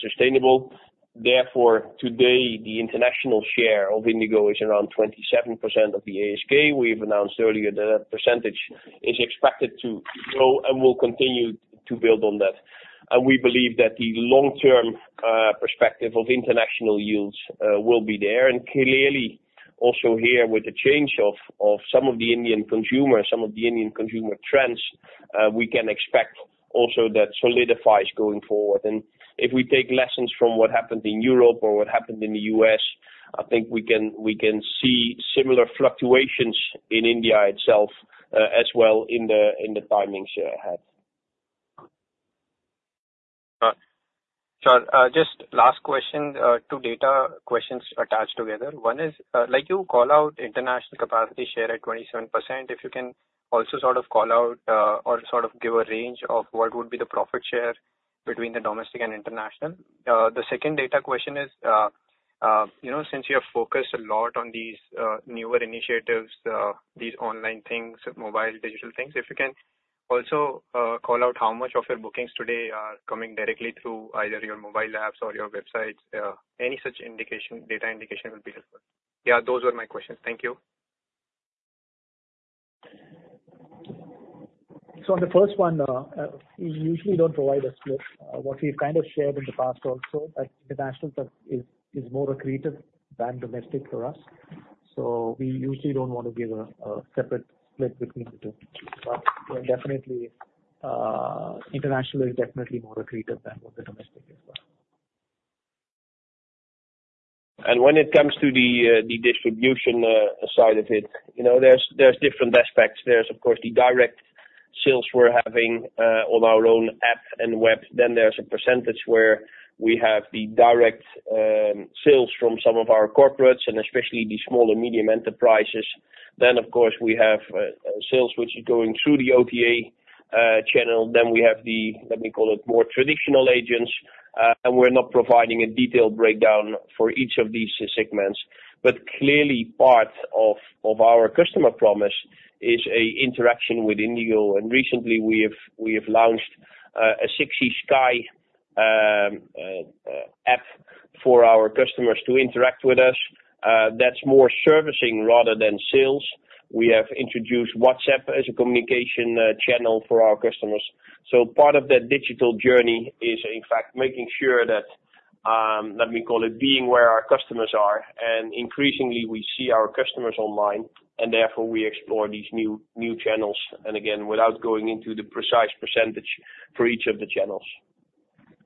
sustainable. Therefore, today, the international share of IndiGo is around 27% of the ASK. We've announced earlier that that percentage is expected to grow and will continue to build on that. We believe that the long-term perspective of international yields will be there. And clearly, also here with the change of some of the Indian consumers, some of the Indian consumer trends, we can expect also that solidifies going forward. And if we take lessons from what happened in Europe or what happened in the U.S., I think we can see similar fluctuations in India itself as well in the timings ahead. Just last question, two data questions attached together. One is, like you call out, international capacity share at 27%. If you can also sort of call out or sort of give a range of what would be the profit share between the domestic and international. The second data question is, since you have focused a lot on these newer initiatives, these online things, mobile digital things, if you can also call out how much of your bookings today are coming directly through either your mobile apps or your websites, any such data indication would be helpful. Yeah. Those were my questions. Thank you. On the first one, we usually don't provide a split. What we've kind of shared in the past also is that international is more accretive than domestic for us. We usually don't want to give a separate split between the two. But internationally is definitely more accretive than what the domestic is for. And when it comes to the distribution side of it, there's different aspects. There's, of course, the direct sales we're having on our own app and web. Then there's a percentage where we have the direct sales from some of our corporates and especially the small and medium enterprises. Then, of course, we have sales which are going through the OTA channel. Then we have the, let me call it, more traditional agents. And we're not providing a detailed breakdown for each of these segments. But clearly, part of our customer promise is an interaction with IndiGo. And recently, we have launched 6Eskai for our customers to interact with us. That's more servicing rather than sales. We have introduced WhatsApp as a communication channel for our customers. So part of that digital journey is, in fact, making sure that, let me call it, being where our customers are. And increasingly, we see our customers online, and therefore, we explore these new channels. And again, without going into the precise percentage for each of the channels.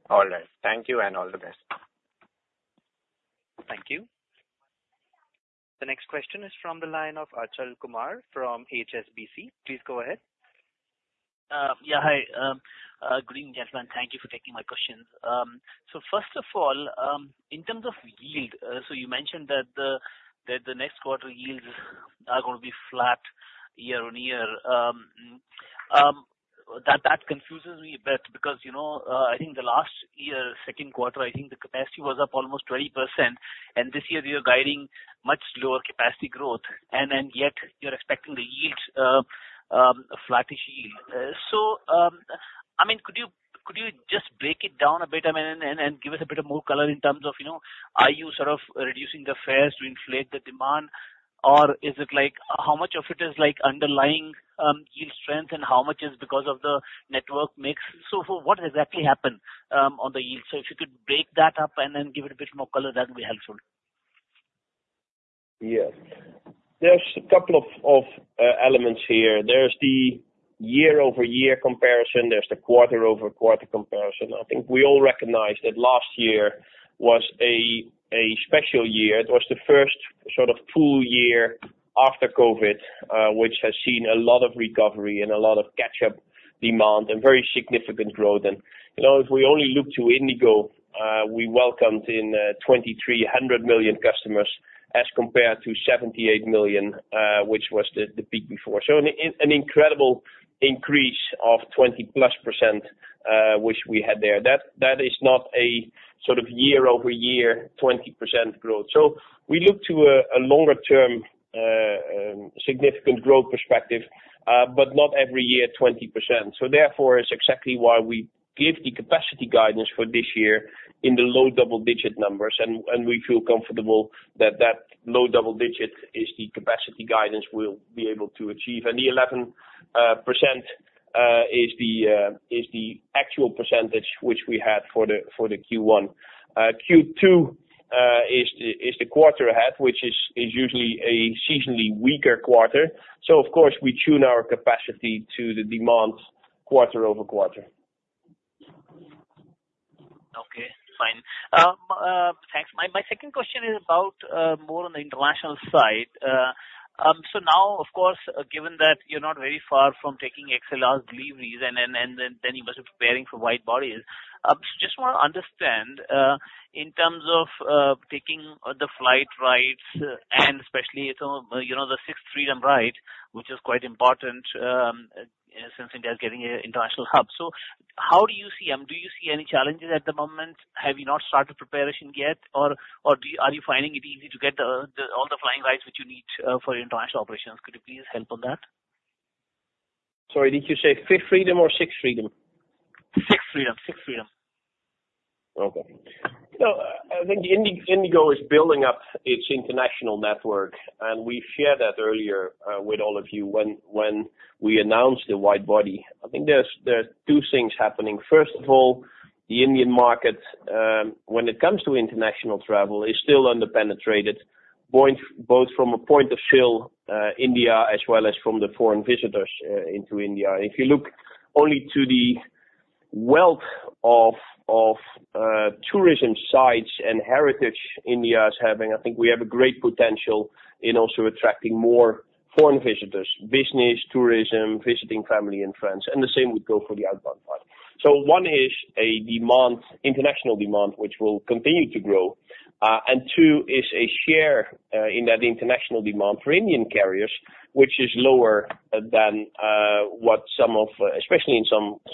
All right. Thank you and all the best. Thank you. The next question is from the line of Achal Kumar from HSBC. Please go ahead. Yeah. Hi. Good evening, gentlemen. Thank you for taking my questions. So first of all, in terms of yield, so you mentioned that the next quarter yields are going to be flat year-on-year. That confuses me a bit because I think the last year, second quarter, I think the capacity was up almost 20%. And this year, you're guiding much lower capacity growth. And then yet, you're expecting the yields, a flattish yield. So, I mean, could you just break it down a bit, I mean, and give us a bit of more color in terms of are you sort of reducing the fares to inflate the demand, or is it like how much of it is underlying yield strength and how much is because of the network mix? So what exactly happened on the yield? If you could break that up and then give it a bit more color, that would be helpful. Yes. There's a couple of elements here. There's the year-over-year comparison. There's the quarter-over-quarter comparison. I think we all recognize that last year was a special year. It was the first sort of full year after COVID, which has seen a lot of recovery and a lot of catch-up demand and very significant growth. And if we only look to IndiGo, we welcomed in 2023, 100 million customers as compared to 78 million, which was the peak before. So an incredible increase of 20%+, which we had there. That is not a sort of year-over-year 20% growth. So we look to a longer-term significant growth perspective, but not every year 20%. Therefore, it's exactly why we give the capacity guidance for this year in the low double-digit numbers. And we feel comfortable that that low double-digit is the capacity guidance we'll be able to achieve. The 11% is the actual percentage which we had for the Q1. Q2 is the quarter ahead, which is usually a seasonally weaker quarter. So, of course, we tune our capacity to the demand quarter-over-quarter. Okay. Fine. Thanks. My second question is about more on the international side. So now, of course, given that you're not very far from taking XLRs deliveries and then you must be preparing for wide bodies, I just want to understand in terms of taking the flight rights and especially the sixth freedom right, which is quite important since India is getting an international hub. So how do you see them? Do you see any challenges at the moment? Have you not started preparation yet? Or are you finding it easy to get all the flying rights which you need for international operations? Could you please help on that? Sorry. Did you say fifth freedom or sixth freedom? Sixth freedom. Sixth freedom. Okay. I think IndiGo is building up its international network. We shared that earlier with all of you when we announced the wide body. I think there's two things happening. First of all, the Indian market, when it comes to international travel, is still underpenetrated, both from a point of sale India as well as from the foreign visitors into India. If you look only to the wealth of tourism sites and heritage India is having, I think we have a great potential in also attracting more foreign visitors: business, tourism, visiting family and friends. The same would go for the outbound part. One is a demand, international demand, which will continue to grow. Two is a share in that international demand for Indian carriers, which is lower than what some of, especially in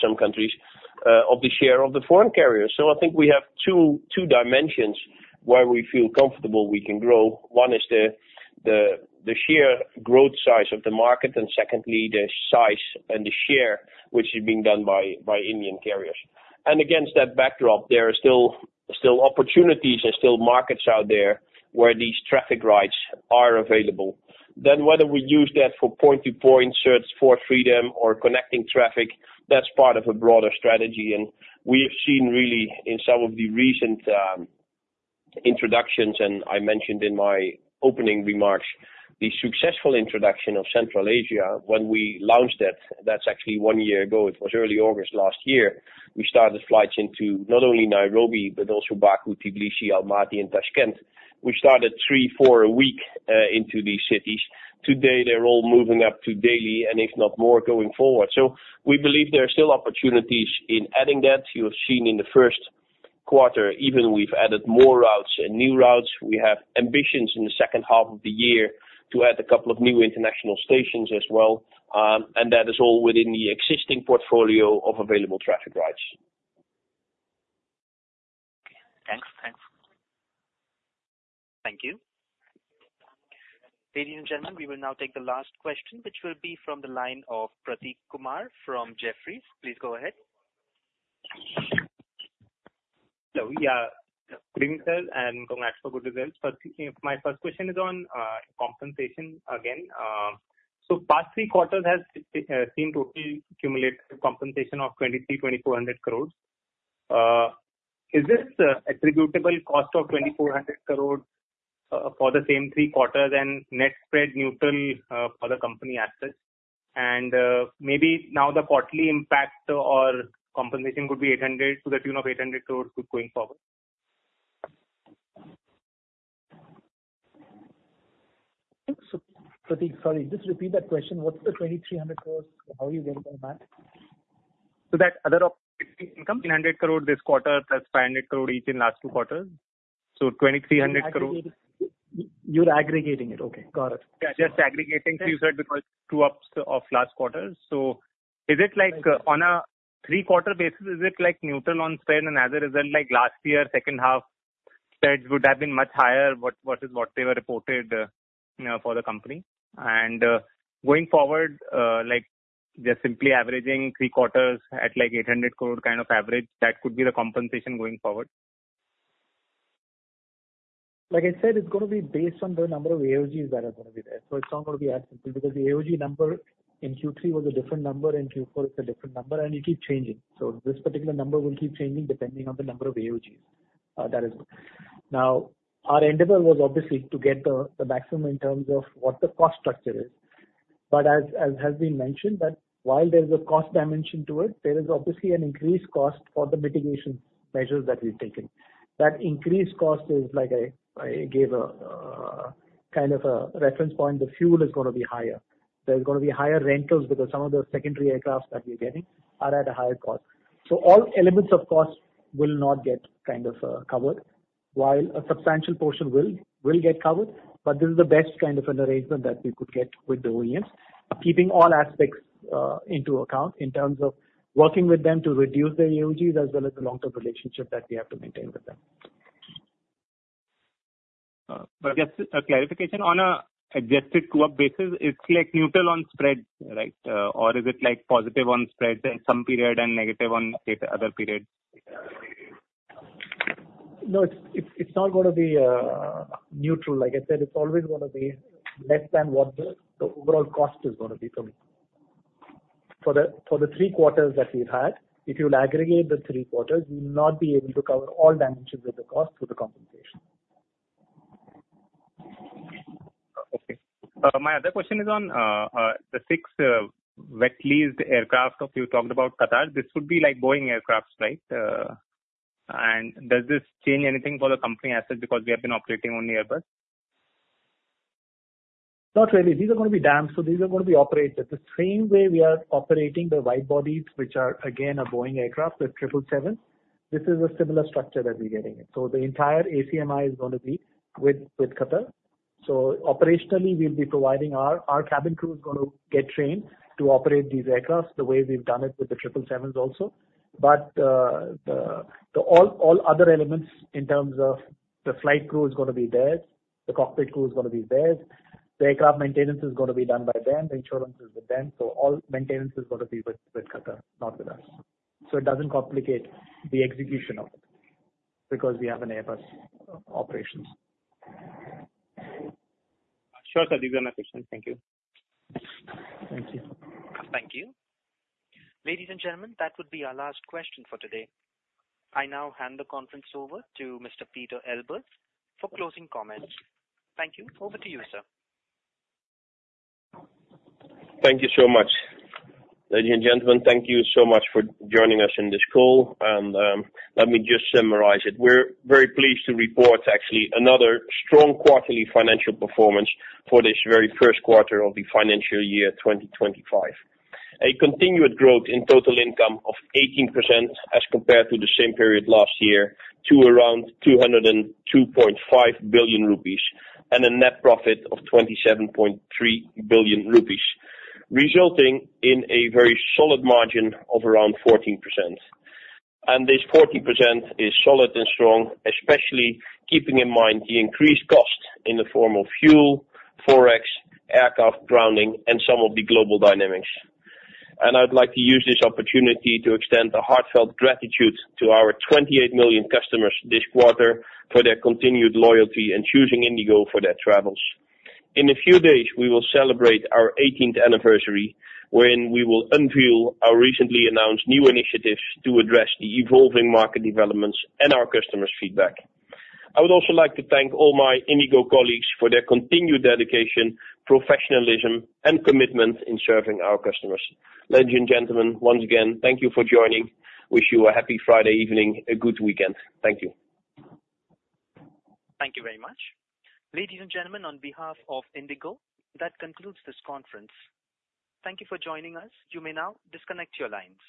some countries, of the share of the foreign carriers. So I think we have two dimensions where we feel comfortable we can grow. One is the sheer growth size of the market, and secondly, the size and the share which is being done by Indian carriers. And against that backdrop, there are still opportunities and still markets out there where these traffic rights are available. Then whether we use that for point-to-point third, fourth freedom or connecting traffic, that's part of a broader strategy. And we have seen really in some of the recent introductions, and I mentioned in my opening remarks, the successful introduction of Central Asia. When we launched it, that's actually one year ago. It was early August last year. We started flights into not only Nairobi, but also Baku, Tbilisi, Almaty, and Tashkent. We started three-four a week into these cities. Today, they're all moving up to daily and, if not more, going forward. We believe there are still opportunities in adding that. You have seen in the first quarter, even we've added more routes and new routes. We have ambitions in the second half of the year to add a couple of new international stations as well. That is all within the existing portfolio of available traffic rights. Okay. Thanks. Thanks. Thank you. Ladies and gentlemen, we will now take the last question, which will be from the line of Prateek Kumar from Jefferies. Please go ahead. Hello. Yeah. Good evening, sir, and congrats for good results. But my first question is on compensation again. So past three quarters has seen total cumulative compensation of 2,300-2,400 crore. Is this attributable cost of 2,400 crore for the same three quarters and net spread neutral for the company assets? And maybe now the quarterly impact or compensation could be 800 crore to the tune of 800 crore going forward? So Prateek, sorry, just repeat that question. What's the 2,300 crore? How are you getting that? So that other income? 800 crore this quarter plus 500 crore each in last two quarters. So 2,300 crore. You're aggregating it. Okay. Got it. Yeah. Just aggregating two-thirds because two-thirds of last quarter. So is it like on a three-quarter basis, is it like neutral on spread and as a result, like last year, second half, spreads would have been much higher versus what they were reported for the company? And going forward, just simply averaging three quarters at like 800 crore kind of average, that could be the compensation going forward? Like I said, it's going to be based on the number of AOGs that are going to be there. So it's not going to be that simple because the AOG number in Q3 was a different number, and Q4 is a different number, and it keeps changing. So this particular number will keep changing depending on the number of AOGs. Now, our endeavor was obviously to get the maximum in terms of what the cost structure is. But as has been mentioned, that while there's a cost dimension to it, there is obviously an increased cost for the mitigation measures that we've taken. That increased cost is like I gave a kind of a reference point. The fuel is going to be higher. There's going to be higher rentals because some of the secondary aircraft that we're getting are at a higher cost. All elements of cost will not get kind of covered, while a substantial portion will get covered. This is the best kind of an arrangement that we could get with the OEMs, keeping all aspects into account in terms of working with them to reduce their AOGs as well as the long-term relationship that we have to maintain with them. But I guess a clarification on an adjusted comp basis, it's like neutral on spread, right? Or is it like positive on spreads at some period and negative on other periods? No, it's not going to be neutral. Like I said, it's always going to be less than what the overall cost is going to be for me. For the three quarters that we've had, if you'll aggregate the three quarters, you'll not be able to cover all dimensions of the cost for the compensation. Okay. My other question is on the six wet-leased aircraft you talked about, Qatar. This would be like Boeing aircraft, right? And does this change anything for the company assets because we have been operating only Airbus? Not really. These are going to be damp. So these are going to be operated the same way we are operating the wide bodies, which are, again, a Boeing aircraft with 777. This is a similar structure that we're getting. So the entire ACMI is going to be with Qatar. So operationally, we'll be providing our cabin crew is going to get trained to operate these aircraft the way we've done it with the 777s also. But all other elements in terms of the flight crew is going to be there. The cockpit crew is going to be there. The aircraft maintenance is going to be done by them. The insurance is with them. So all maintenance is going to be with Qatar, not with us. So it doesn't complicate the execution of it because we have an Airbus operations. Sure, sir. These are my questions. Thank you. Thank you. Thank you. Ladies and gentlemen, that would be our last question for today. I now hand the conference over to Mr. Pieter Elbers for closing comments. Thank you. Over to you, sir. Thank you so much. Ladies and gentlemen, thank you so much for joining us in this call. Let me just summarize it. We're very pleased to report actually another strong quarterly financial performance for this very first quarter of the financial year 2025. A continued growth in total income of 18% as compared to the same period last year to around 202.5 billion rupees and a net profit of 27.3 billion rupees, resulting in a very solid margin of around 14%. This 14% is solid and strong, especially keeping in mind the increased cost in the form of fuel, forex, aircraft grounding, and some of the global dynamics. I'd like to use this opportunity to extend a heartfelt gratitude to our 28 million customers this quarter for their continued loyalty and choosing IndiGo for their travels. In a few days, we will celebrate our 18th anniversary when we will unveil our recently announced new initiatives to address the evolving market developments and our customers' feedback. I would also like to thank all my IndiGo colleagues for their continued dedication, professionalism, and commitment in serving our customers. Ladies and gentlemen, once again, thank you for joining. Wish you a happy Friday evening, a good weekend. Thank you. Thank you very much. Ladies and gentlemen, on behalf of IndiGo, that concludes this conference. Thank you for joining us. You may now disconnect your lines.